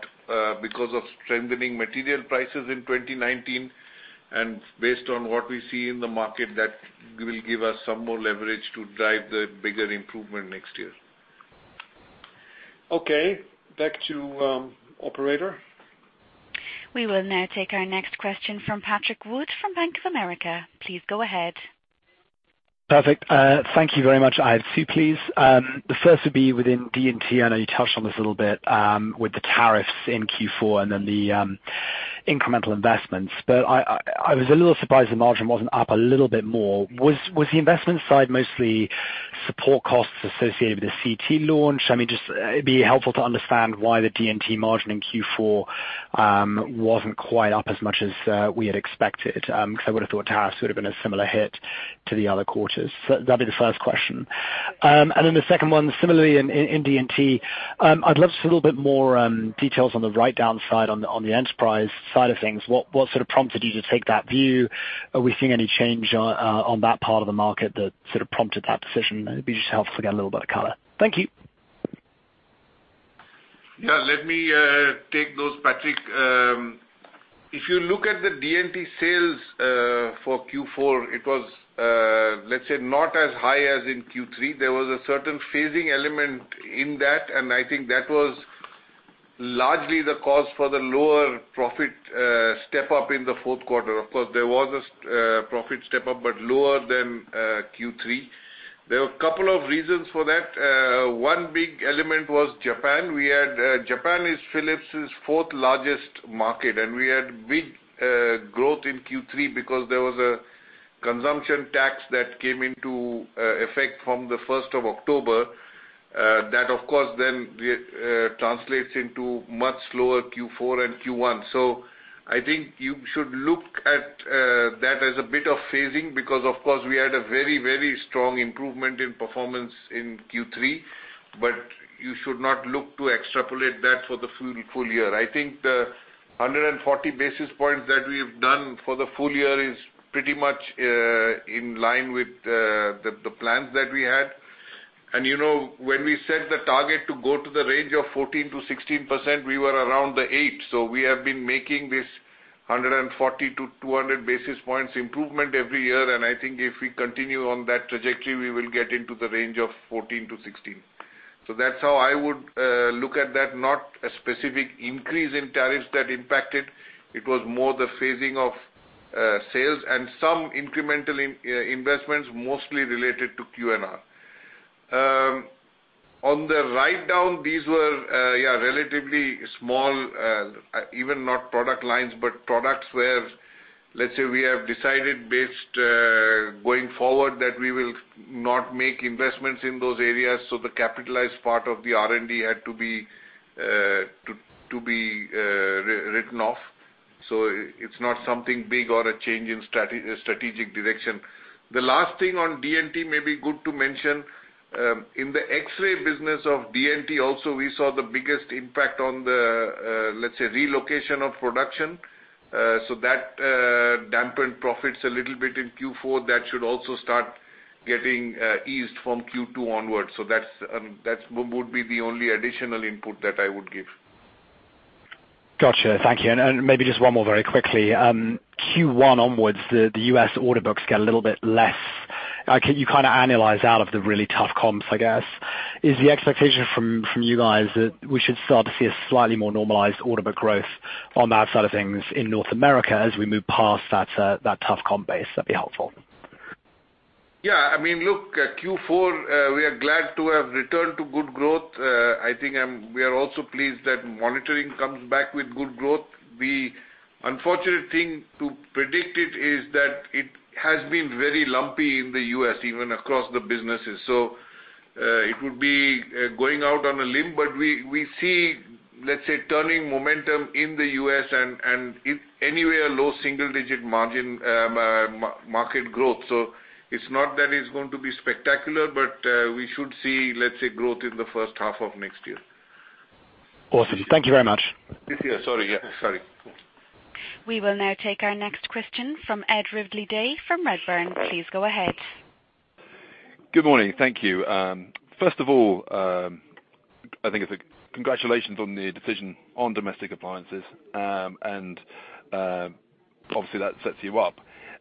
because of strengthening material prices in 2019. Based on what we see in the market, that will give us some more leverage to drive the bigger improvement next year. Okay, back to operator. We will now take our next question from Patrick Wood from Bank of America. Please go ahead. Perfect. Thank you very much. I have two, please. The first would be within D&T. I know you touched on this a little bit with the tariffs in Q4 and then the incremental investments. I was a little surprised the margin wasn't up a little bit more. Was the investment side mostly support costs associated with the CT launch? It'd be helpful to understand why the D&T margin in Q4 wasn't quite up as much as we had expected. Because I would have thought tariffs would have been a similar hit to the other quarters. That'd be the first question. The second one, similarly in D&T. I'd love just a little bit more details on the write down side on the enterprise side of things. What sort of prompted you to take that view? Are we seeing any change on that part of the market that sort of prompted that decision? It'd be just helpful to get a little bit of color. Thank you. Yeah, let me take those, Patrick. If you look at the D&T sales for Q4, it was, let's say, not as high as in Q3. There was a certain phasing element in that. I think that was largely the cause for the lower profit step-up in the fourth quarter. Of course, there was a profit step-up, lower than Q3. There were a couple of reasons for that. One big element was Japan. Japan is Philips' fourth largest market. We had big growth in Q3 because there was a consumption tax that came into effect from the 1st of October. That, of course, translates into much slower Q4 and Q1. I think you should look at that as a bit of phasing because, of course, we had a very strong improvement in performance in Q3. You should not look to extrapolate that for the full year. I think the 140 basis points that we have done for the full year is pretty much in line with the plans that we had. When we set the target to go to the range of 14%-16%, we were around the eight. We have been making this 140-200 basis points improvement every year, and I think if we continue on that trajectory, we will get into the range of 14%-16%. That's how I would look at that, not a specific increase in tariffs that impacted. It was more the phasing of sales and some incremental investments, mostly related to Q&R. On the write-down, these were relatively small, even not product lines, but products where we have decided based going forward that we will not make investments in those areas, so the capitalized part of the R&D had to be written off. It's not something big or a change in strategic direction. The last thing on D&T may be good to mention. In the X-ray business of D&T also, we saw the biggest impact on the relocation of production. That dampened profits a little bit in Q4. That should also start getting eased from Q2 onwards. That would be the only additional input that I would give. Got you. Thank you. Maybe just one more very quickly. Q1 onwards, the U.S. order books get a little bit less. You kind of analyze out of the really tough comps, I guess. Is the expectation from you guys that we should start to see a slightly more normalized order book growth on that side of things in North America as we move past that tough comp base? That would be helpful. Q4, we are glad to have returned to good growth. I think we are also pleased that monitoring comes back with good growth. The unfortunate thing to predict it is that it has been very lumpy in the U.S., even across the businesses. It would be going out on a limb, but we see, let's say, turning momentum in the U.S. and anywhere low single-digit margin market growth. It's not that it's going to be spectacular, but we should see, let's say, growth in the first half of next year. Awesome. Thank you very much. This year. Sorry. Yeah. Sorry. We will now take our next question from Ed Ridley-Day from Redburn. Please go ahead. Good morning. Thank you. First of all, I think congratulations on the decision on domestic appliances. Obviously, that sets you up.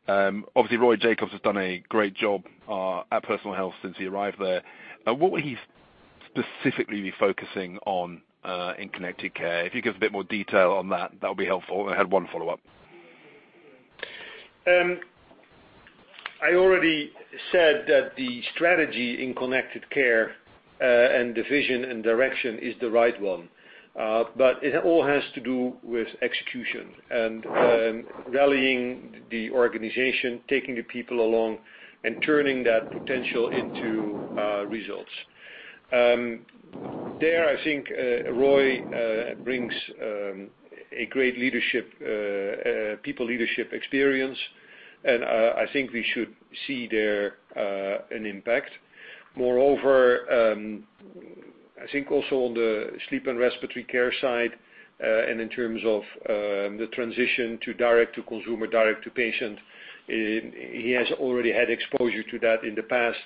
Obviously, Roy Jakobs has done a great job at Personal Health since he arrived there. What will he specifically be focusing on in Connected Care? If you could give a bit more detail on that would be helpful. I have one follow-up. I already said that the strategy in Connected Care and the vision and direction is the right one. It all has to do with execution and rallying the organization, taking the people along, and turning that potential into results. There, I think Roy brings a great people leadership experience, and I think we should see there an impact. Moreover, I think also on the sleep and respiratory care side, and in terms of the transition to direct to consumer, direct to patient, he has already had exposure to that in the past.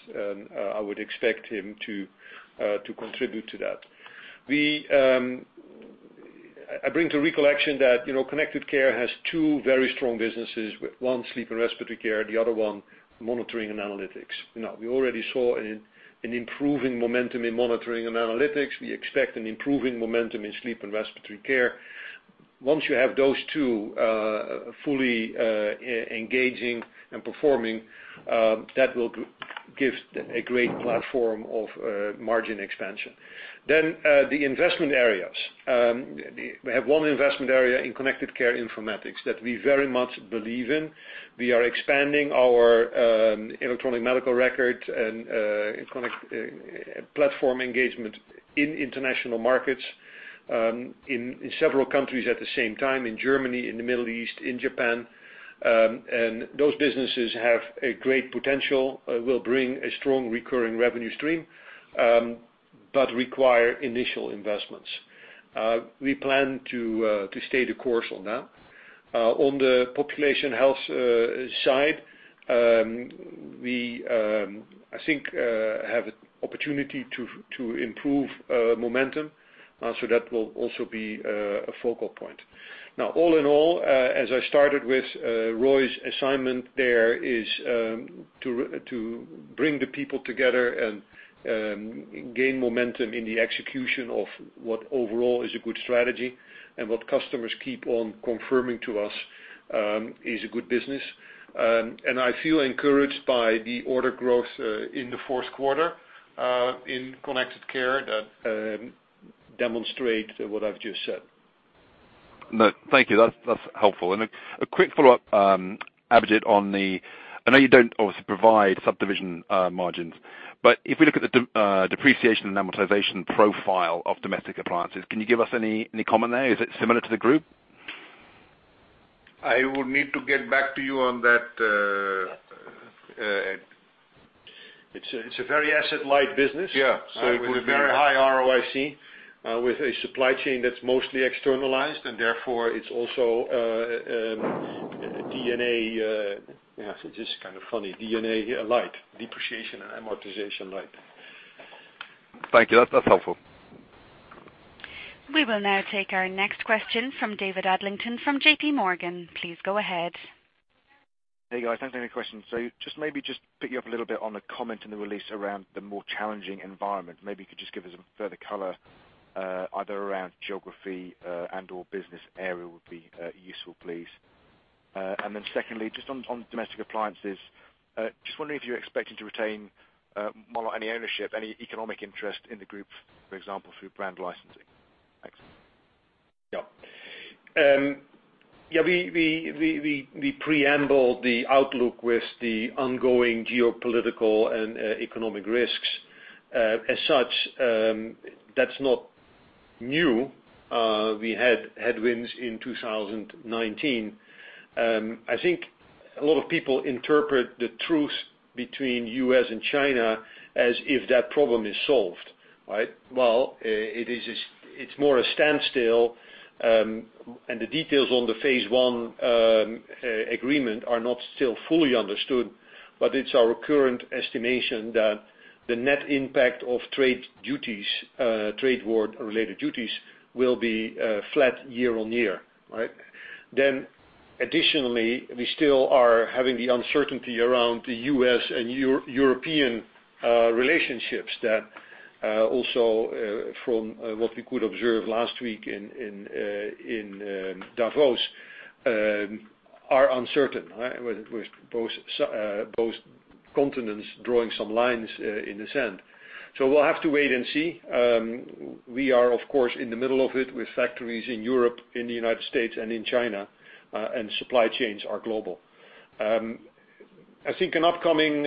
I would expect him to contribute to that. I bring to recollection that Connected Care has two very strong businesses, with one sleep and respiratory care, the other one monitoring and analytics. Now, we already saw an improving momentum in monitoring and analytics. We expect an improving momentum in sleep and respiratory care. Once you have those two fully engaging and performing, that will give a great platform of margin expansion. The investment areas. We have one investment area in Connected Care informatics that we very much believe in. We are expanding our electronic medical record and platform engagement in international markets in several countries at the same time, in Germany, in the Middle East, in Japan. Those businesses have a great potential, will bring a strong recurring revenue stream, but require initial investments. We plan to stay the course on that. On the population health side, we, I think, have an opportunity to improve momentum, so that will also be a focal point. All in all, as I started with Roy's assignment there is to bring the people together and gain momentum in the execution of what overall is a good strategy and what customers keep on confirming to us is a good business. I feel encouraged by the order growth, in the fourth quarter, in Connected Care that demonstrate what I've just said. No, thank you. That's helpful. A quick follow-up, Abhijit, on the I know you don't obviously provide subdivision margins, but if we look at the depreciation and amortization profile of Domestic Appliances, can you give us any comment there? Is it similar to the group? I would need to get back to you on that, Ed. It's a very asset-light business. Yeah. With a very high ROIC, with a supply chain that's mostly externalized, and therefore it's also D&A, just kind of funny, D&A light, depreciation and amortization light. Thank you. That's helpful. We will now take our next question from David Adlington from JPMorgan. Please go ahead. Hey, guys. Thanks. I have a question. Just maybe pick you up a little bit on a comment in the release around the more challenging environment. Maybe you could just give us some further color, either around geography, and/or business area would be useful, please. Secondly, just on Domestic Appliances, just wondering if you're expecting to retain any ownership, any economic interest in the group, for example, through brand licensing. Thanks. Yeah. We preamble the outlook with the ongoing geopolitical and economic risks. As such, that's not new. We had headwinds in 2019. I think a lot of people interpret the truce between U.S. and China as if that problem is solved, right? Well, it's more a standstill, and the details on the phase one agreement are not still fully understood, but it's our current estimation that the net impact of trade duties, trade war-related duties, will be flat year-on-year, right? Additionally, we still are having the uncertainty around the U.S. and European relationships that also, from what we could observe last week in Davos, are uncertain, right? With both continents drawing some lines in the sand. We'll have to wait and see. We are, of course, in the middle of it with factories in Europe, in the U.S. and in China, and supply chains are global. I think an upcoming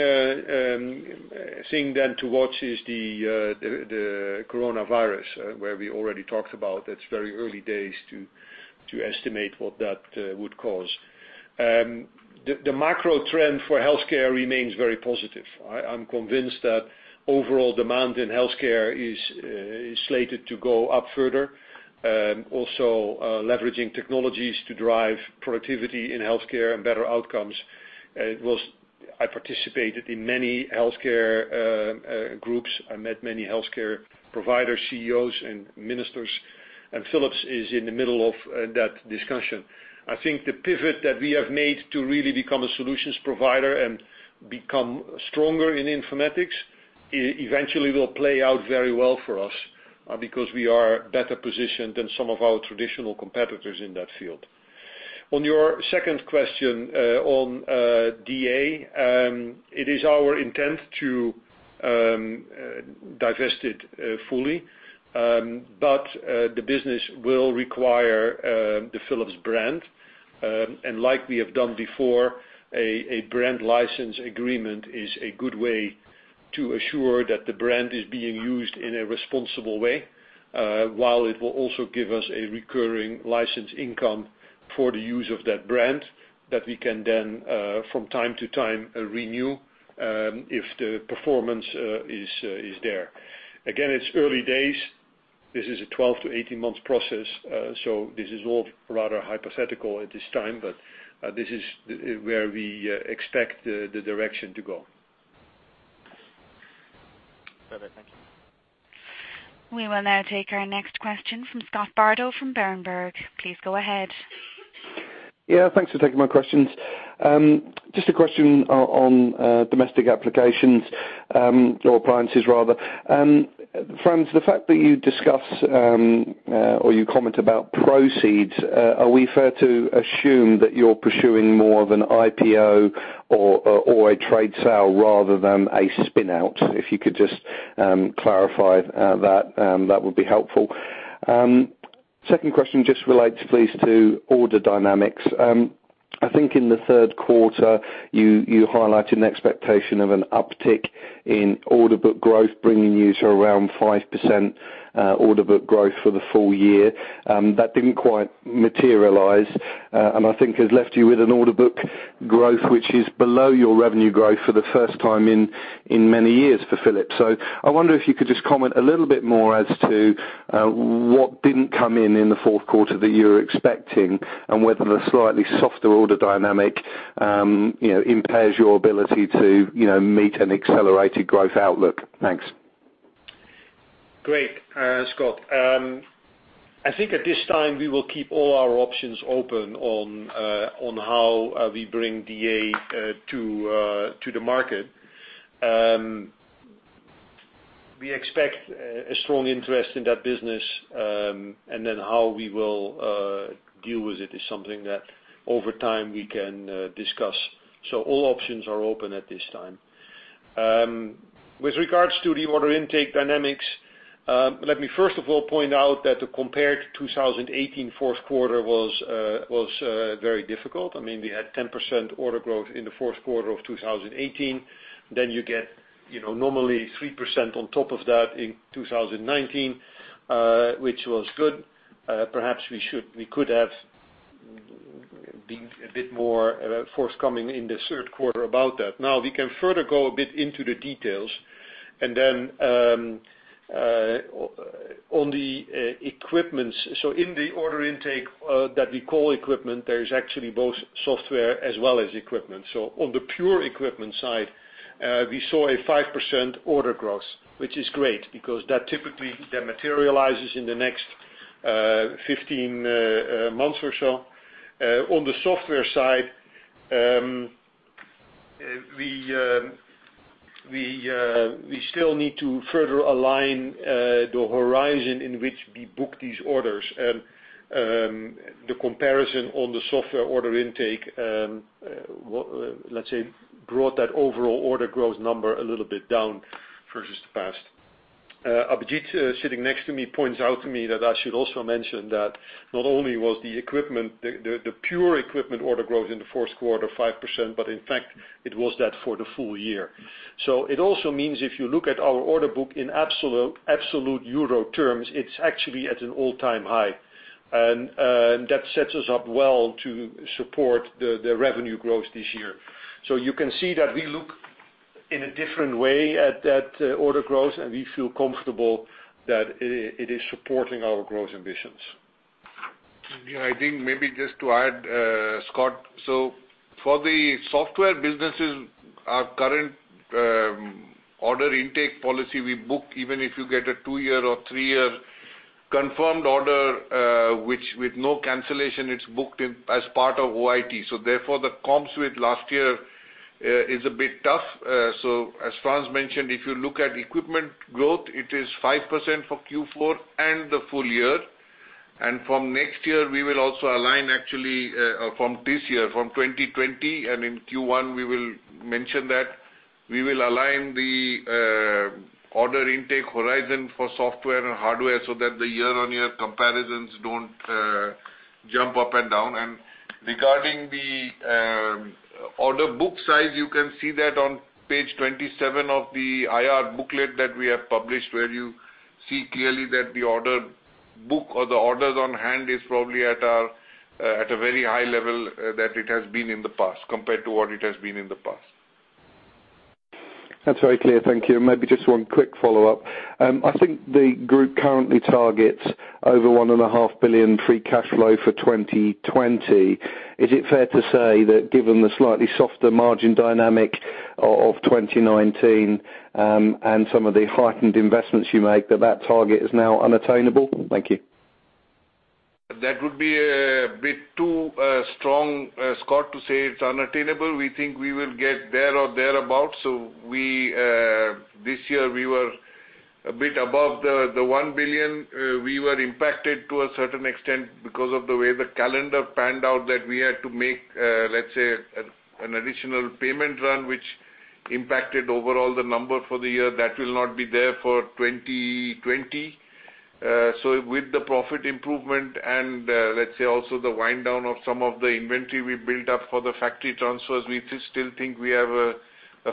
thing then to watch is the coronavirus, where we already talked about, it's very early days to estimate what that would cause. The macro trend for healthcare remains very positive. I'm convinced that overall demand in healthcare is slated to go up further. Also, leveraging technologies to drive productivity in healthcare and better outcomes. I participated in many healthcare groups. I met many healthcare provider CEOs and ministers, and Philips is in the middle of that discussion. I think the pivot that we have made to really become a solutions provider and become stronger in informatics, eventually will play out very well for us, because we are better positioned than some of our traditional competitors in that field. On your second question, on DA, it is our intent to divest it fully. The business will require the Philips brand, and like we have done before, a brand license agreement is a good way to assure that the brand is being used in a responsible way, while it will also give us a recurring license income for the use of that brand that we can then, from time to time, renew, if the performance is there. Again, it's early days. This is a 12-18 months process, so this is all rather hypothetical at this time, but this is where we expect the direction to go. Perfect, thank you. We will now take our next question from Scott Bardo from Berenberg. Please go ahead. Yeah, thanks for taking my questions. Just a question on domestic appliances, or appliances rather. Frans, the fact that you discuss, or you comment about proceeds, are we fair to assume that you're pursuing more of an IPO or a trade sale rather than a spin-out? If you could just clarify that would be helpful. Second question just relates please, to order dynamics. I think in the third quarter, you highlighted an expectation of an uptick in order book growth, bringing you to around 5% order book growth for the full year. That didn't quite materialize, and I think has left you with an order book growth, which is below your revenue growth for the first time in many years for Philips. I wonder if you could just comment a little bit more as to what didn't come in the fourth quarter that you were expecting, and whether the slightly softer order dynamic impairs your ability to meet an accelerated growth outlook. Thanks. Great, Scott. I think at this time, we will keep all our options open on how we bring DA to the market. We expect a strong interest in that business, and then how we will deal with it is something that over time we can discuss. All options are open at this time. With regards to the order intake dynamics, let me first of all point out that compared to 2018, fourth quarter was very difficult. We had 10% order growth in the fourth quarter of 2018. You get normally 3% on top of that in 2019, which was good. Perhaps we could have been a bit more forthcoming in the third quarter about that. We can further go a bit into the details. On the equipments. In the order intake that we call equipment, there is actually both software as well as equipment. On the pure equipment side, we saw a 5% order growth, which is great because that typically materializes in the next 15 months or so. On the software side, we still need to further align the horizon in which we book these orders. The comparison on the software order intake, let's say, brought that overall order growth number a little bit down versus the past. Abhijit sitting next to me points out to me that I should also mention that not only was the pure equipment order growth in the fourth quarter 5%, but in fact it was that for the full year. It also means if you look at our order book in absolute euro terms, it's actually at an all-time high, and that sets us up well to support the revenue growth this year. You can see that we look in a different way at that order growth, and we feel comfortable that it is supporting our growth ambitions. Yeah, I think maybe just to add, Scott. For the software businesses, our current order intake policy, we book even if you get a two-year or three-year confirmed order with no cancellation, it's booked as part of OIT. Therefore the comps with last year is a bit tough. As Frans mentioned, if you look at equipment growth, it is 5% for Q4 and the full year. From this year, from 2020 and in Q1, we will mention that we will align the order intake horizon for software and hardware so that the year-on-year comparisons don't jump up and down. Regarding the order book size, you can see that on page 27 of the IR booklet that we have published, where you see clearly that the order book or the orders on hand is probably at a very high level compared to what it has been in the past. That's very clear. Thank you. Just one quick follow-up. I think the group currently targets over 1.5 billion free cash flow for 2020. Is it fair to say that given the slightly softer margin dynamic of 2019, and some of the heightened investments you make, that that target is now unattainable? Thank you. That would be a bit too strong, Scott, to say it's unattainable. We think we will get there or thereabout. This year we were a bit above the 1 billion. We were impacted to a certain extent because of the way the calendar panned out that we had to make, let's say, an additional payment run, which impacted overall the number for the year. That will not be there for 2020. With the profit improvement and let's say also the wind down of some of the inventory we built up for the factory transfers, we still think we have a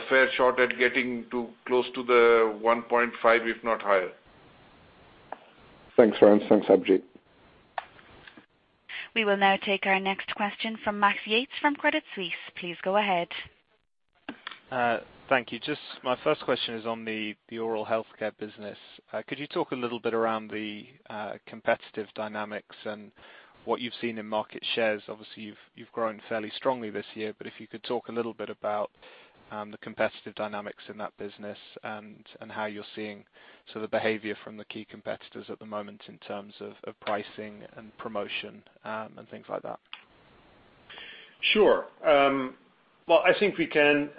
fair shot at getting close to the 1.5 billion, if not higher. Thanks, Frans. Thanks, Abhijit. We will now take our next question from Max Yates from Credit Suisse. Please go ahead. Thank you. Just my first question is on the oral healthcare business. Could you talk a little bit around the competitive dynamics and what you've seen in market shares? Obviously, you've grown fairly strongly this year, but if you could talk a little bit about the competitive dynamics in that business and how you're seeing the behavior from the key competitors at the moment in terms of pricing and promotion, and things like that. Sure. I think we can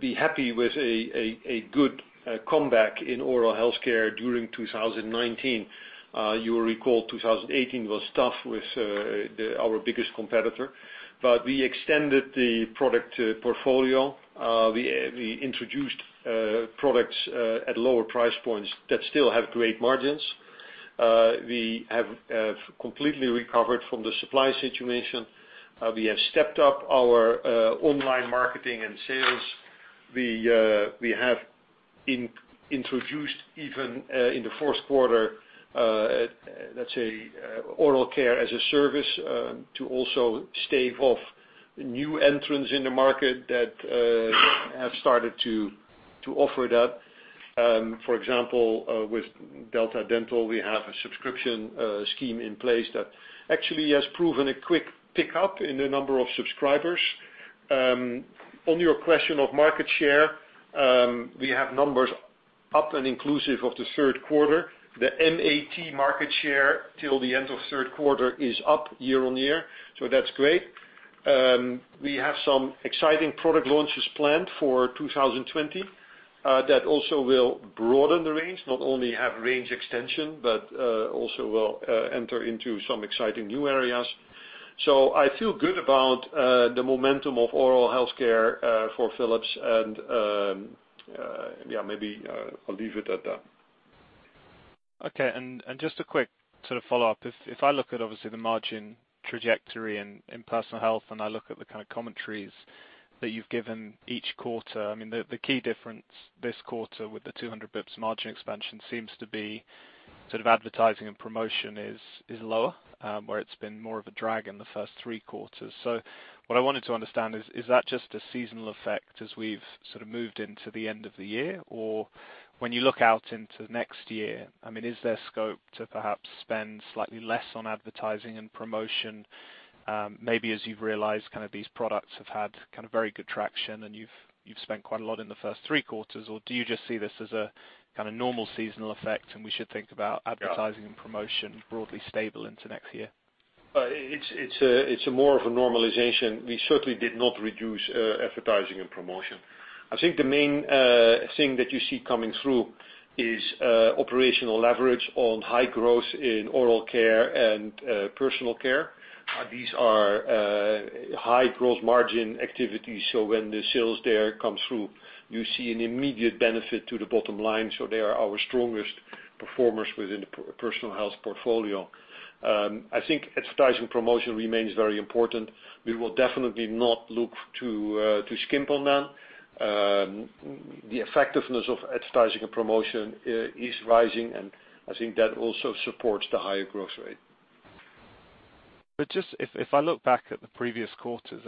be happy with a good comeback in oral healthcare during 2019. You will recall 2018 was tough with our biggest competitor. We extended the product portfolio. We introduced products at lower price points that still have great margins. We have completely recovered from the supply situation. We have stepped up our online marketing and sales. We have introduced even in the fourth quarter, let's say, oral care as a service to also stave off new entrants in the market that have started to offer that. For example, with Delta Dental, we have a subscription scheme in place that actually has proven a quick pickup in the number of subscribers. On your question of market share, we have numbers up and inclusive of the third quarter. The MAT market share till the end of third quarter is up year-on-year, that's great. We have some exciting product launches planned for 2020 that also will broaden the range, not only have range extension, but also will enter into some exciting new areas. I feel good about the momentum of oral health care for Philips and, yeah, maybe I'll leave it at that. Okay, just a quick sort of follow-up. If I look at, obviously, the margin trajectory in Personal Health, and I look at the kind of commentaries that you've given each quarter, I mean, the key difference this quarter with the 200 basis points margin expansion seems to be sort of advertising and promotion is lower, where it's been more of a drag in the first three quarters. What I wanted to understand is that just a seasonal effect as we've sort of moved into the end of the year? When you look out into next year, I mean, is there scope to perhaps spend slightly less on advertising and promotion? Maybe as you've realized, these products have had very good traction, and you've spent quite a lot in the first three quarters. Do you just see this as a kind of normal seasonal effect, and we should think about advertising and promotion broadly stable into next year? It's more of a normalization. We certainly did not reduce advertising and promotion. I think the main thing that you see coming through is operational leverage on high growth in oral care and personal care. These are high gross margin activities, so when the sales there come through, you see an immediate benefit to the bottom line. They are our strongest performers within the Personal Health portfolio. I think advertising promotion remains very important. We will definitely not look to skimp on that. The effectiveness of advertising and promotion is rising, and I think that also supports the higher growth rate. Just, if I look back at the previous quarters,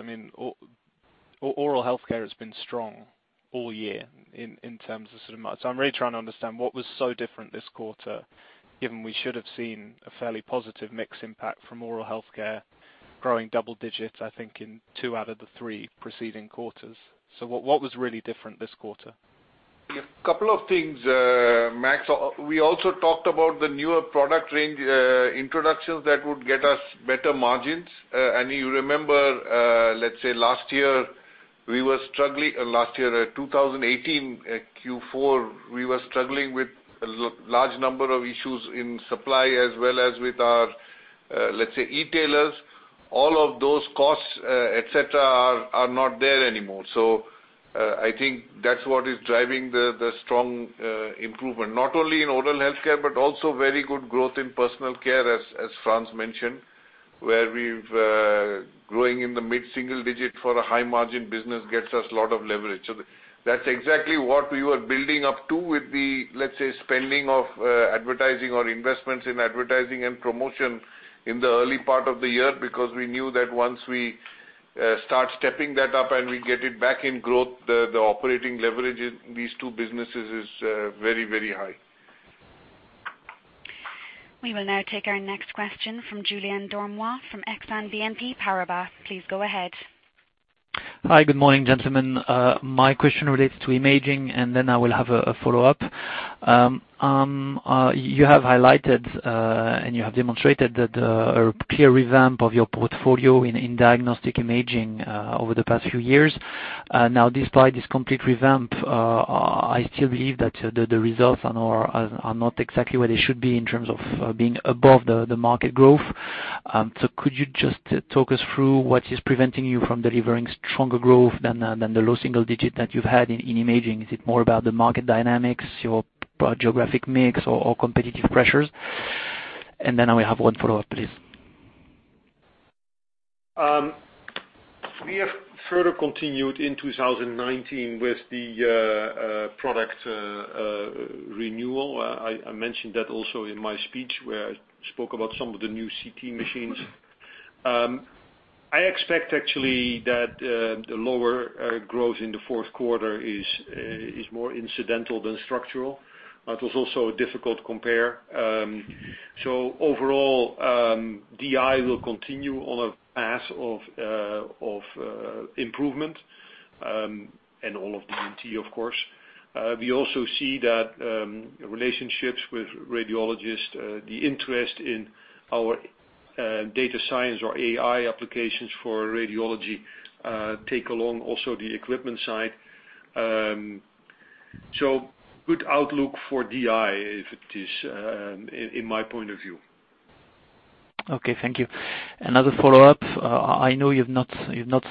oral health care has been strong all year. I'm really trying to understand what was so different this quarter, given we should have seen a fairly positive mix impact from oral health care growing double digits, I think in two out of the three preceding quarters. What was really different this quarter? A couple of things, Max. We also talked about the newer product range introductions that would get us better margins. You remember, let's say last year, 2018 Q4, we were struggling with a large number of issues in supply as well as with our, let's say, e-tailers. All of those costs, et cetera, are not there anymore. I think that's what is driving the strong improvement, not only in oral health care, but also very good growth in personal care, as Frans mentioned, where we've growing in the mid-single digit for a high margin business gets us a lot of leverage. That's exactly what we were building up to with the, let's say, spending of advertising or investments in advertising and promotion in the early part of the year, because we knew that once we start stepping that up and we get it back in growth, the operating leverage in these two businesses is very, very high. We will now take our next question from Julien Dormois from Exane BNP Paribas. Please go ahead. Hi, good morning, gentlemen. My question relates to imaging, and then I will have a follow-up. You have highlighted, and you have demonstrated that a clear revamp of your portfolio Diagnosis & Treatment over the past few years. Despite this complete revamp, I still believe that the results are not exactly where they should be in terms of being above the market growth. Could you just talk us through what is preventing you from delivering stronger growth than the low single digit that you've had in imaging? Is it more about the market dynamics, your geographic mix or competitive pressures? I will have one follow-up, please. We have further continued in 2019 with the product renewal. I mentioned that also in my speech where I spoke about some of the new CT machines. I expect actually that the lower growth in the fourth quarter is more incidental than structural. That was also a difficult compare. Overall, DI will continue on a path of improvement, and all of D&T, of course. We also see that relationships with radiologists, the interest in our data science or AI applications for radiology take along also the equipment side. Good outlook for DI, if it is, in my point of view. Okay, thank you. Another follow-up. I know you've not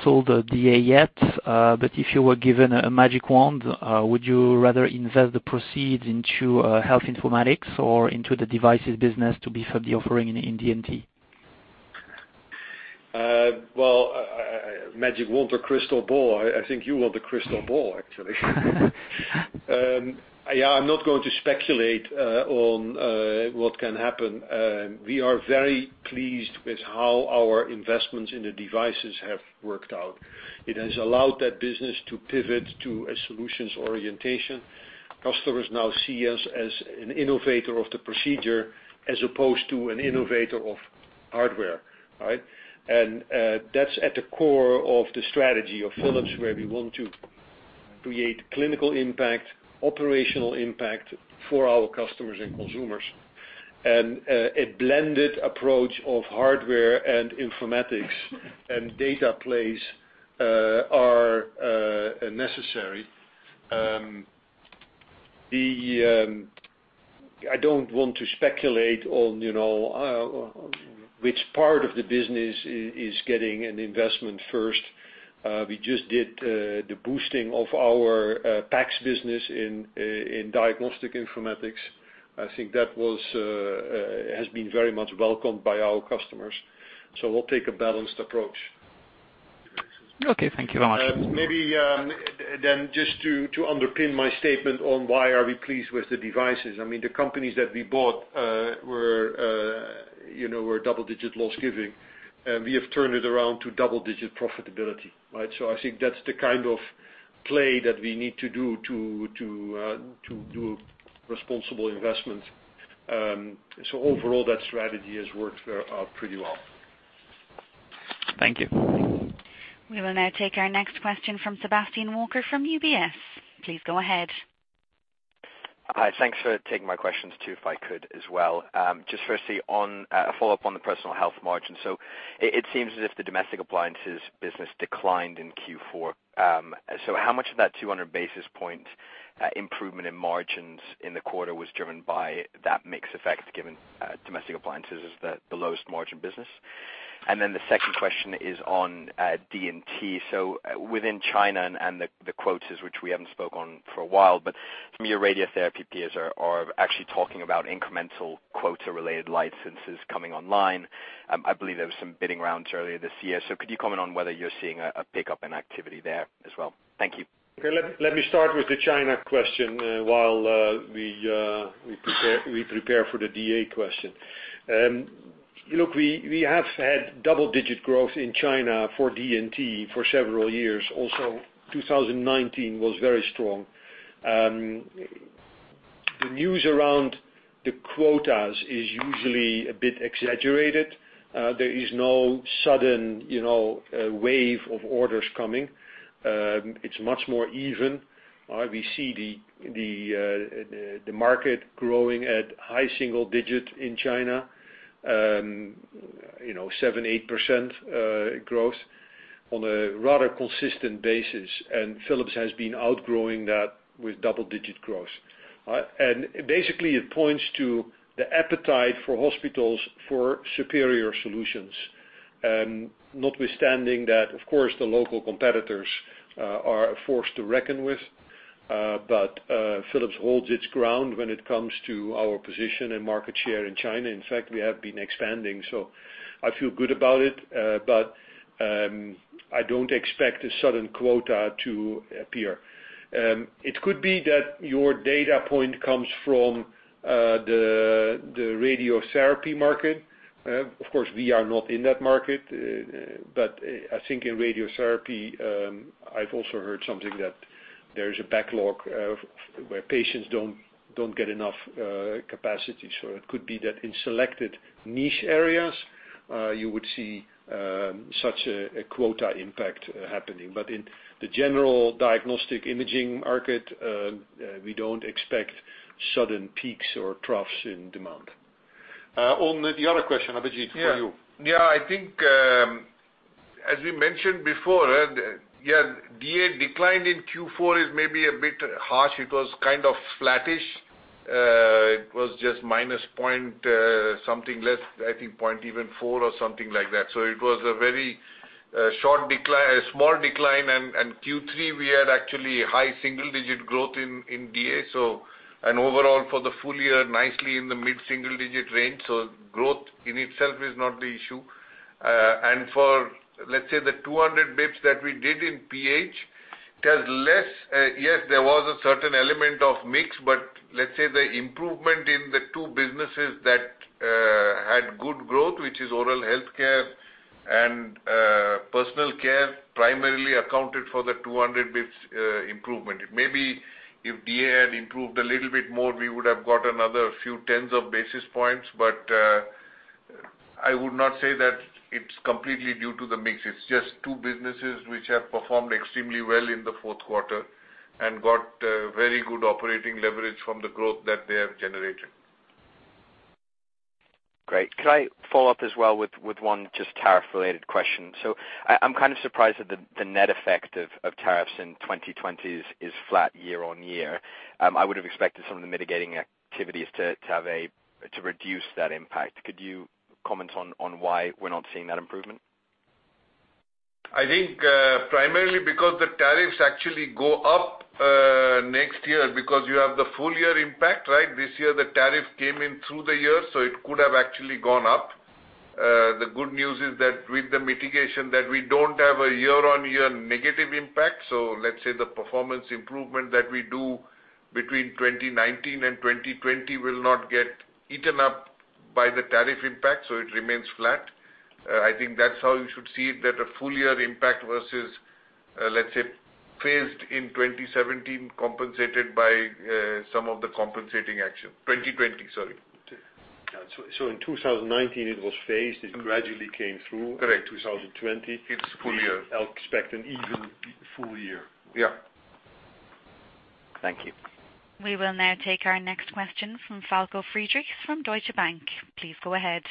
sold DA yet, but if you were given a magic wand, would you rather invest the proceeds into health informatics or into the devices business to beef up the offering in D&T? Well, magic wand or crystal ball, I think you want the crystal ball, actually. Yeah, I'm not going to speculate on what can happen. We are very pleased with how our investments in the devices have worked out. It has allowed that business to pivot to a solutions orientation. Customers now see us as an innovator of the procedure as opposed to an innovator of hardware. That's at the core of the strategy of Philips, where we want to create clinical impact, operational impact for our customers and consumers. A blended approach of hardware and informatics and data plays are necessary. I don't want to speculate on which part of the business is getting an investment first. We just did the boosting of our PACS business in Diagnostic Informatics. I think that has been very much welcomed by our customers. We'll take a balanced approach. Okay. Thank you very much. Maybe, just to underpin my statement on why are we pleased with the devices. The companies that we bought were double-digit loss giving, we have turned it around to double-digit profitability. I think that's the kind of play that we need to do, to do responsible investment. Overall, that strategy has worked out pretty well. Thank you. We will now take our next question from Sebastian Walker from UBS. Please go ahead. Hi. Thanks for taking my questions too, if I could as well. Just firstly, a follow-up on the Personal Health margin. It seems as if the domestic appliances business declined in Q4. How much of that 200 basis point improvement in margins in the quarter was driven by that mix effect, given domestic appliances is the lowest margin business? The second question is on D&T. Within China and the quotas, which we haven't spoke on for a while, but some of your radiotherapy peers are actually talking about incremental quota-related licenses coming online. I believe there were some bidding rounds earlier this year. Could you comment on whether you're seeing a pickup in activity there as well? Thank you. Okay. Let me start with the China question while we prepare for the DA question. We have had double-digit growth in China for D&T for several years. 2019 was very strong. The news around the quotas is usually a bit exaggerated. There is no sudden wave of orders coming. It is much more even. We see the market growing at high single digit in China, 7%-8% growth on a rather consistent basis. Philips has been outgrowing that with double-digit growth. Basically it points to the appetite for hospitals for superior solutions. Notwithstanding that, of course, the local competitors are a force to reckon with. Philips holds its ground when it comes to our position and market share in China. In fact, we have been expanding, I feel good about it. I do not expect a sudden quota to appear. It could be that your data point comes from the radiotherapy market. Of course, we are not in that market. I think in radiotherapy, I've also heard something that there is a backlog where patients don't get enough capacity. It could be that in selected niche areas, you would see such a quota impact happening. In the general diagnostic imaging market, we don't expect sudden peaks or troughs in demand. On the other question, Abhijit, for you. I think, as we mentioned before, DA decline in Q4 is maybe a bit harsh. It was kind of flattish. It was just minus point something less, I think point even four or something like that. It was a very small decline. Q3, we had actually high single digit growth in DA. Overall for the full year, nicely in the mid-single digit range. Growth in itself is not the issue. For, let's say the 200 basis points that we did in PH, yes, there was a certain element of mix, but let's say the improvement in the two businesses that had good growth, which is oral health care and personal care, primarily accounted for the 200 basis points improvement. Maybe if DA had improved a little bit more, we would have got another few tens of basis points, but I would not say that it's completely due to the mix. It's just two businesses which have performed extremely well in the fourth quarter and got very good operating leverage from the growth that they have generated. Great. Could I follow up as well with one just tariff related question? I'm kind of surprised that the net effect of tariffs in 2020 is flat year-on-year. I would have expected some of the mitigating activities to reduce that impact. Could you comment on why we're not seeing that improvement? I think primarily because the tariffs actually go up next year, because you have the full year impact, right? This year, the tariff came in through the year, so it could have actually gone up. The good news is that with the mitigation that we don't have a year-on-year negative impact. Let's say the performance improvement that we do between 2019 and 2020 will not get eaten up by the tariff impact, so it remains flat. I think that's how you should see it, that a full year impact versus, let's say, phased in 2017, compensated by some of the compensating action. 2020, sorry. Okay. In 2019, it was phased, it gradually came through. Correct. In 2020- It's full year. I'll expect an even full year. Yeah. Thank you. We will now take our next question from Falko Friedrichs from Deutsche Bank. Please go ahead.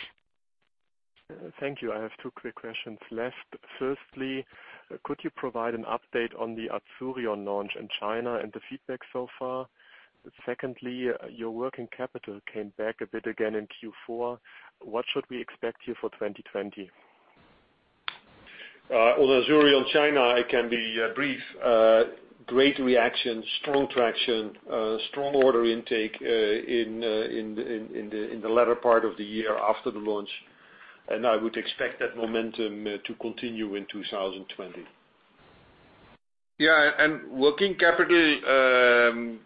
Thank you. I have two quick questions left. Firstly, could you provide an update on the Azurion launch in China and the feedback so far? Secondly, your working capital came back a bit again in Q4. What should we expect here for 2020? On Azurion China, I can be brief. Great reaction, strong traction, strong order intake in the latter part of the year after the launch. I would expect that momentum to continue in 2020. Yeah. Working capital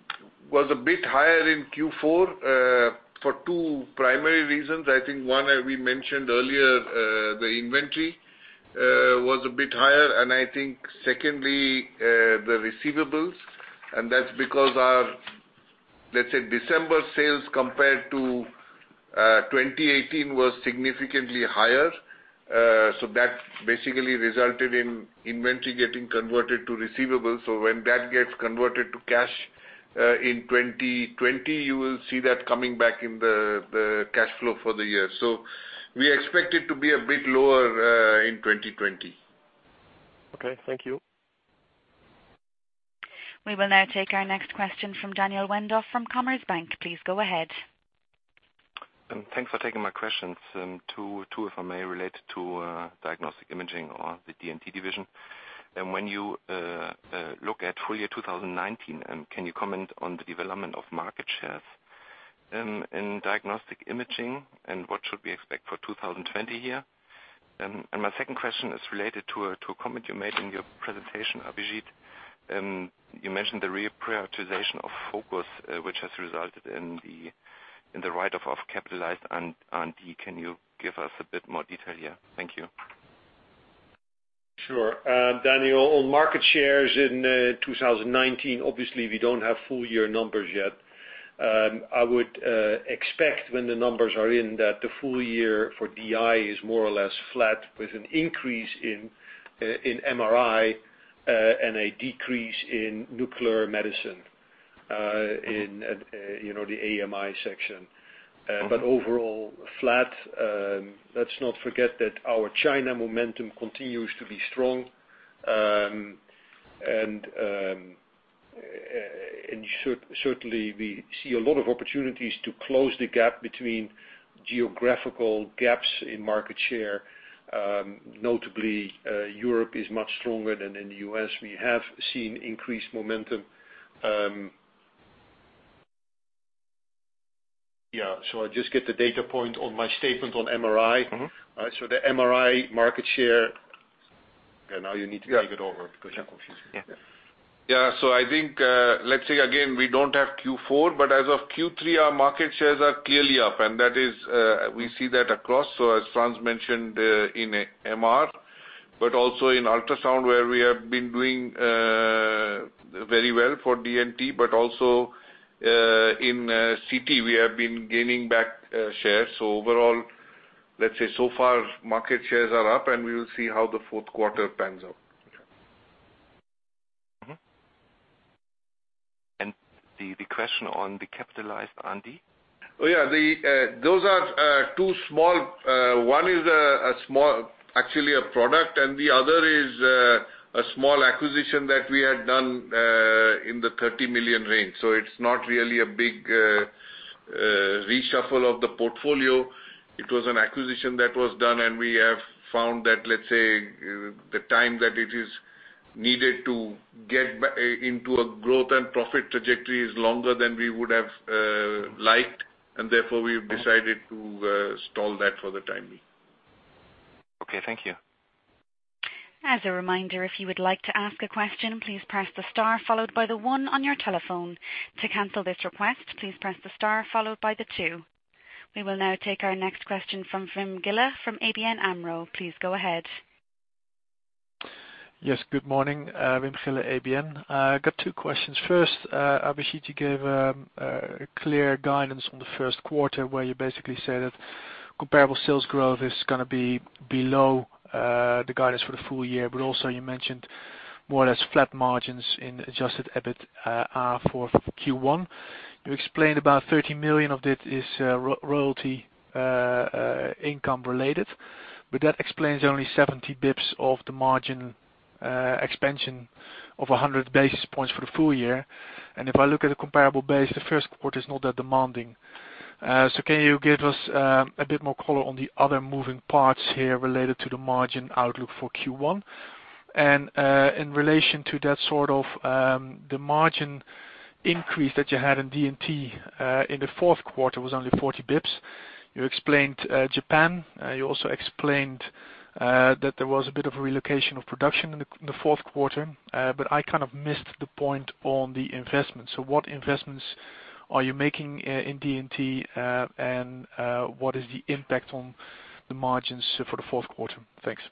was a bit higher in Q4 for two primary reasons. I think one, we mentioned earlier, the inventory was a bit higher. I think secondly, the receivables. That's because our, let's say, December sales compared to 2018 was significantly higher. That basically resulted in inventory getting converted to receivables. When that gets converted to cash, in 2020, you will see that coming back in the cash flow for the year. We expect it to be a bit lower in 2020. Okay. Thank you. We will now take our next question from Daniel Wendorff from Commerzbank. Please go ahead. Thanks for taking my questions. Two, if I may, related to diagnostic imaging or the D&T division. When you look at full year 2019, can you comment on the development of market shares in diagnostic imaging, and what should we expect for 2020 here? My second question is related to a comment you made in your presentation, Abhijit. You mentioned the reprioritization of focus, which has resulted in the write-off of capitalized R&D. Can you give us a bit more detail here? Thank you. Sure. Daniel, on market shares in 2019, obviously, we don't have full year numbers yet. I would expect when the numbers are in, that the full year for DI is more or less flat, with an increase in MRI and a decrease in nuclear medicine in the AMI section. Overall, flat. Let's not forget that our China momentum continues to be strong. Certainly, we see a lot of opportunities to close the gap between geographical gaps in market share. Notably, Europe is much stronger than in the U.S. We have seen increased momentum. Yeah. I'll just get the data point on my statement on MRI. The MRI market share Now you need to take it over because you're confusing me. Yeah. I think, let's say again, we don't have Q4, but as of Q3, our market shares are clearly up. We see that across, as Frans mentioned, in MR, but also in ultrasound where we have been doing very well for D&T, but also in CT, we have been gaining back shares. Overall, let's say so far, market shares are up, and we will see how the fourth quarter pans out. The question on the capitalized R&D? Oh, yeah. Those are two small One is actually a product, and the other is a small acquisition that we had done in the 30 million range. It's not really a big reshuffle of the portfolio. It was an acquisition that was done, and we have found that, let's say, the time that it is needed to get into a growth and profit trajectory is longer than we would have liked, and therefore, we've decided to stall that for the time being. Okay, thank you. As a reminder, if you would like to ask a question, please press the star followed by the one on your telephone. To cancel this request, please press the star followed by the two. We will now take our next question from Wim Gille from ABN AMRO. Please go ahead. Yes, good morning. Wim Gille, ABN. Got two questions. First, Abhijit, you gave a clear guidance on the first quarter where you basically said that comparable sales growth is going to be below the guidance for the full year. You mentioned more or less flat margins in adjusted EBIT for Q1. You explained about 30 million of it is royalty income related. That explains only 70 basis points of the margin expansion of 100 basis points for the full year. If I look at the comparable base, the first quarter is not that demanding. Can you give us a bit more color on the other moving parts here related to the margin outlook for Q1? In relation to that sort of the margin increase that you had in D&T in the fourth quarter was only 40 basis points. You explained Japan. You also explained that there was a bit of a relocation of production in the fourth quarter. I kind of missed the point on the investment. What investments are you making in D&T and what is the impact on the margins for the fourth quarter? Thanks.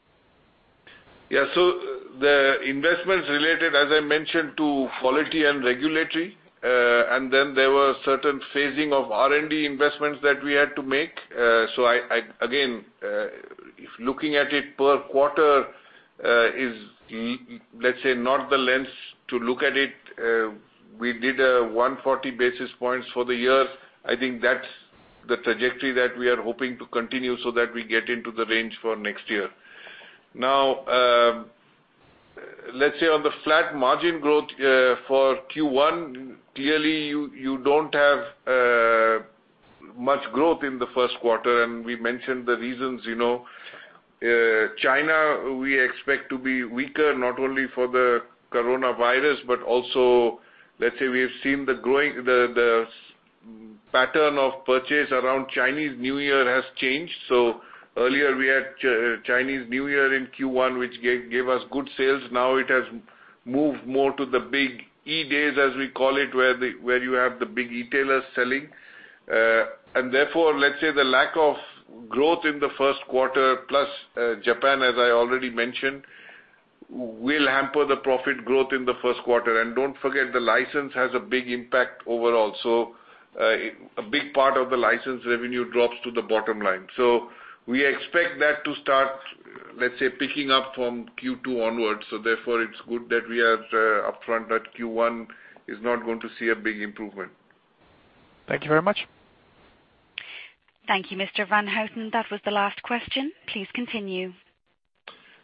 Yeah. The investments related, as I mentioned, to Quality and Regulatory, and then there were certain phasing of R&D investments that we had to make. Again, looking at it per quarter is, let's say, not the lens to look at it. We did a 140 basis points for the year. I think that's the trajectory that we are hoping to continue so that we get into the range for next year. Now, let's say on the flat margin growth for Q1, clearly, you don't have much growth in the first quarter, and we mentioned the reasons. China, we expect to be weaker not only for the coronavirus, but also, let's say we have seen the pattern of purchase around Chinese New Year has changed. Earlier we had Chinese New Year in Q1, which gave us good sales. Now it has moved more to the big E-days, as we call it, where you have the big e-tailers selling. Therefore, let's say the lack of growth in the first quarter, plus Japan, as I already mentioned, will hamper the profit growth in the first quarter. Don't forget, the license has a big impact overall. A big part of the license revenue drops to the bottom line. We expect that to start, let's say, picking up from Q2 onwards. Therefore it's good that we are upfront that Q1 is not going to see a big improvement. Thank you very much. Thank you. Mr. van Houten, that was the last question. Please continue.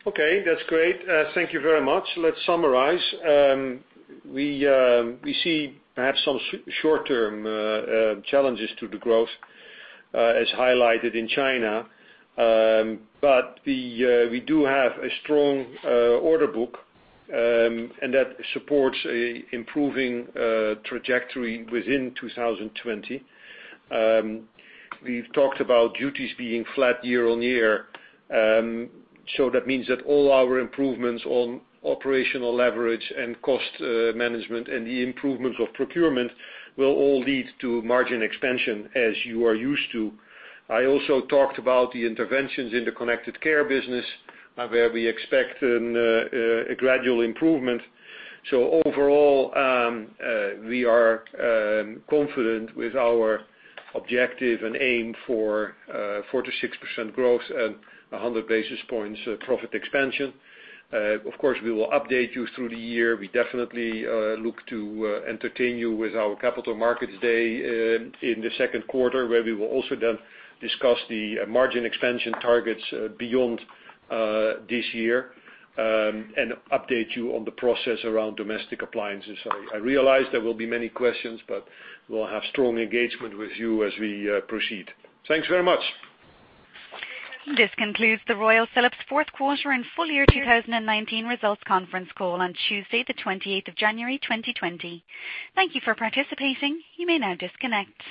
Okay, that's great. Thank you very much. Let's summarize. We see perhaps some short-term challenges to the growth, as highlighted in China. We do have a strong order book, and that supports improving trajectory within 2020. We've talked about duties being flat year-on-year. That means that all our improvements on operational leverage and cost management and the improvements of procurement will all lead to margin expansion, as you are used to. I also talked about the interventions in the Connected Care business, where we expect a gradual improvement. Overall, we are confident with our objective and aim for 4%-6% growth and 100 basis points profit expansion. Of course, we will update you through the year. We definitely look to entertain you with our Capital Markets Day in the second quarter, where we will also then discuss the margin expansion targets beyond this year and update you on the process around domestic appliances. I realize there will be many questions, but we'll have strong engagement with you as we proceed. Thanks very much. This concludes the Royal Philips fourth quarter and full year 2019 results conference call on Tuesday, the 28th of January 2020. Thank you for participating. You may now disconnect.